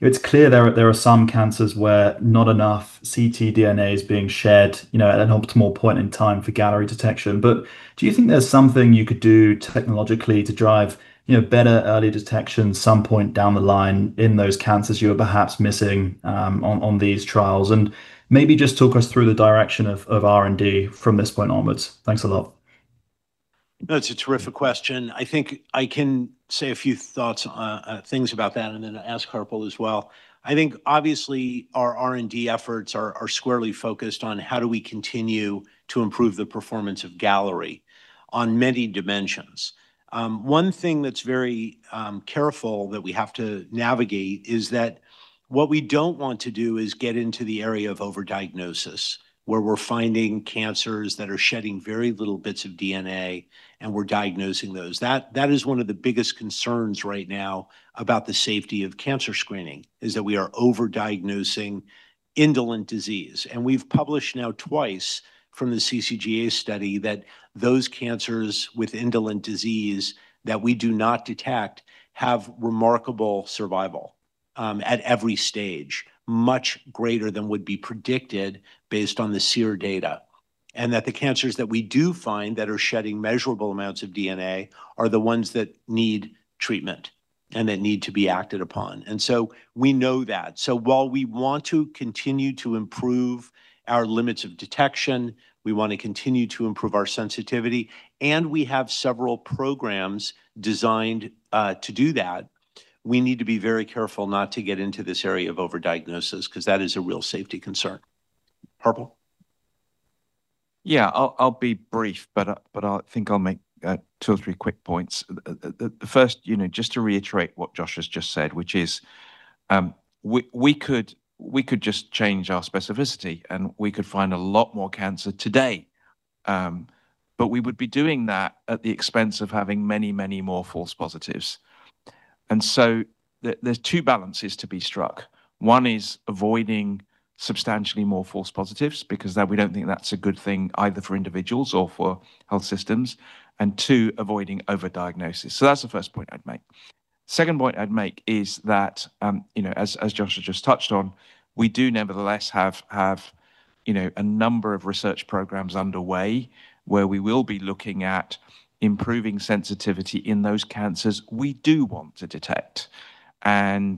S14: It's clear there are some cancers where not enough ctDNA is being shared at an optimal point in time for Galleri detection. Do you think there's something you could do technologically to drive better early detection some point down the line in those cancers you are perhaps missing on these trials? Maybe just talk us through the direction of R&D from this point onwards. Thanks a lot.
S3: That's a terrific question. I think I can say a few things about that, then ask Harpal as well. I think obviously our R&D efforts are squarely focused on how do we continue to improve the performance of Galleri on many dimensions. One thing that's very careful that we have to navigate is that what we don't want to do is get into the area of over-diagnosis, where we're finding cancers that are shedding very little bits of DNA and we're diagnosing those. That is one of the biggest concerns right now about the safety of cancer screening, is that we are over-diagnosing indolent disease. We've published now twice from the CCGA study that those cancers with indolent disease that we do not detect have remarkable survival at every stage, much greater than would be predicted based on the SEER data. That the cancers that we do find that are shedding measurable amounts of DNA are the ones that need treatment and that need to be acted upon. We know that. While we want to continue to improve our limits of detection, we want to continue to improve our sensitivity, and we have several programs designed to do that, we need to be very careful not to get into this area of over-diagnosis, because that is a real safety concern. Harpal?
S4: Yeah. I'll be brief, I think I'll make two or three quick points. The first, just to reiterate what Josh has just said, which is we could just change our specificity, we could find a lot more cancer today. We would be doing that at the expense of having many, many more false positives. There's two balances to be struck. One is avoiding substantially more false positives, because we don't think that's a good thing either for individuals or for health systems. Two, avoiding over-diagnosis. That's the first point I'd make. Second point I'd make is that, as Josh has just touched on, we do nevertheless have a number of research programs underway where we will be looking at improving sensitivity in those cancers we do want to detect. It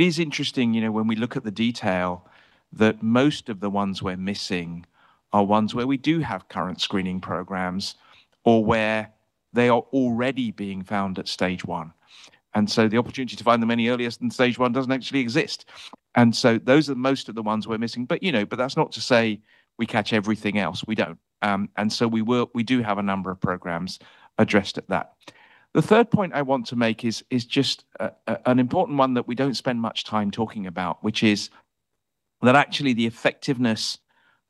S4: is interesting, when we look at the detail, that most of the ones we're missing are ones where we do have current screening programs or where they are already being found at stage 1. The opportunity to find them any earlier than stage 1 doesn't actually exist. Those are most of the ones we're missing. That's not to say we catch everything else. We don't. We do have a number of programs addressed at that. The third point I want to make is just an important one that we don't spend much time talking about, which is that actually the effectiveness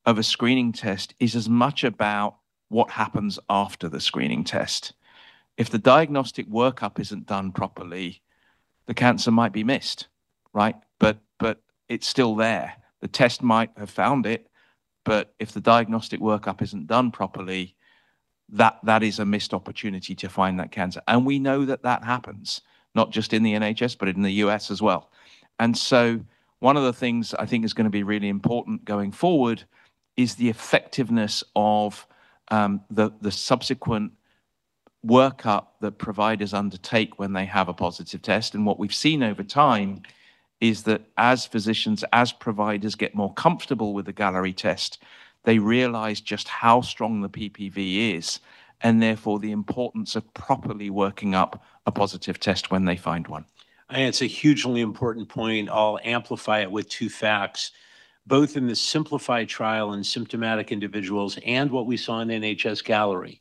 S4: of a screening test is as much about what happens after the screening test. If the diagnostic workup isn't done properly, the cancer might be missed. It's still there. The test might have found it, but if the diagnostic workup isn't done properly, that is a missed opportunity to find that cancer. We know that that happens, not just in the NHS, but in the U.S. as well. One of the things I think is going to be really important going forward is the effectiveness of the subsequent workup that providers undertake when they have a positive test. What we've seen over time is that as physicians, as providers get more comfortable with the Galleri test, they realize just how strong the PPV is, and therefore the importance of properly working up a positive test when they find one.
S3: It's a hugely important point. I'll amplify it with two facts. Both in the SYMPLIFY trial in symptomatic individuals and what we saw in NHS-Galleri,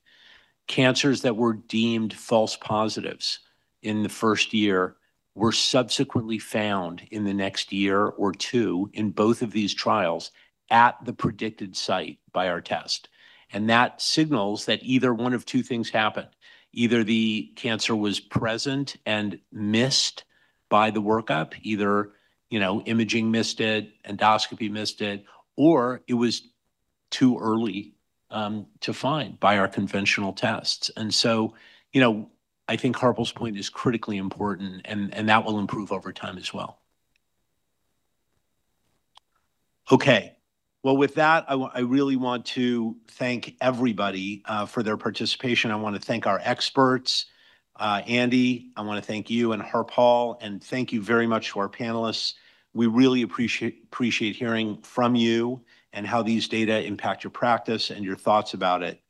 S3: cancers that were deemed false positives in the first year were subsequently found in the next year or two in both of these trials at the predicted site by our test. That signals that either one of two things happened. Either the cancer was present and missed by the workup, either imaging missed it, endoscopy missed it, or it was too early to find by our conventional tests. I think Harpal's point is critically important, and that will improve over time as well. Okay. Well, with that, I really want to thank everybody for their participation. I want to thank our experts. Andy, I want to thank you, and Harpal, and thank you very much to our panelists. We really appreciate hearing from you and how these data impact your practice and your thoughts about it.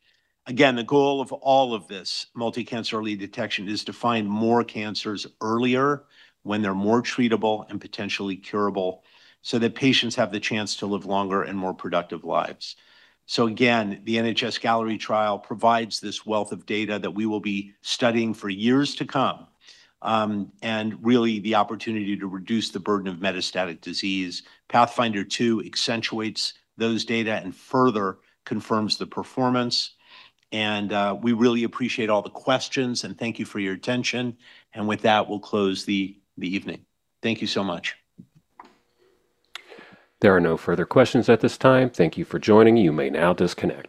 S3: The goal of all of this multi-cancer early detection is to find more cancers earlier when they're more treatable and potentially curable, so that patients have the chance to live longer and more productive lives. Again, the NHS-Galleri trial provides this wealth of data that we will be studying for years to come. Really the opportunity to reduce the burden of metastatic disease. PATHFINDER 2 accentuates those data and further confirms the performance. We really appreciate all the questions, and thank you for your attention. With that, we'll close the evening. Thank you so much.
S1: There are no further questions at this time. Thank you for joining. You may now disconnect.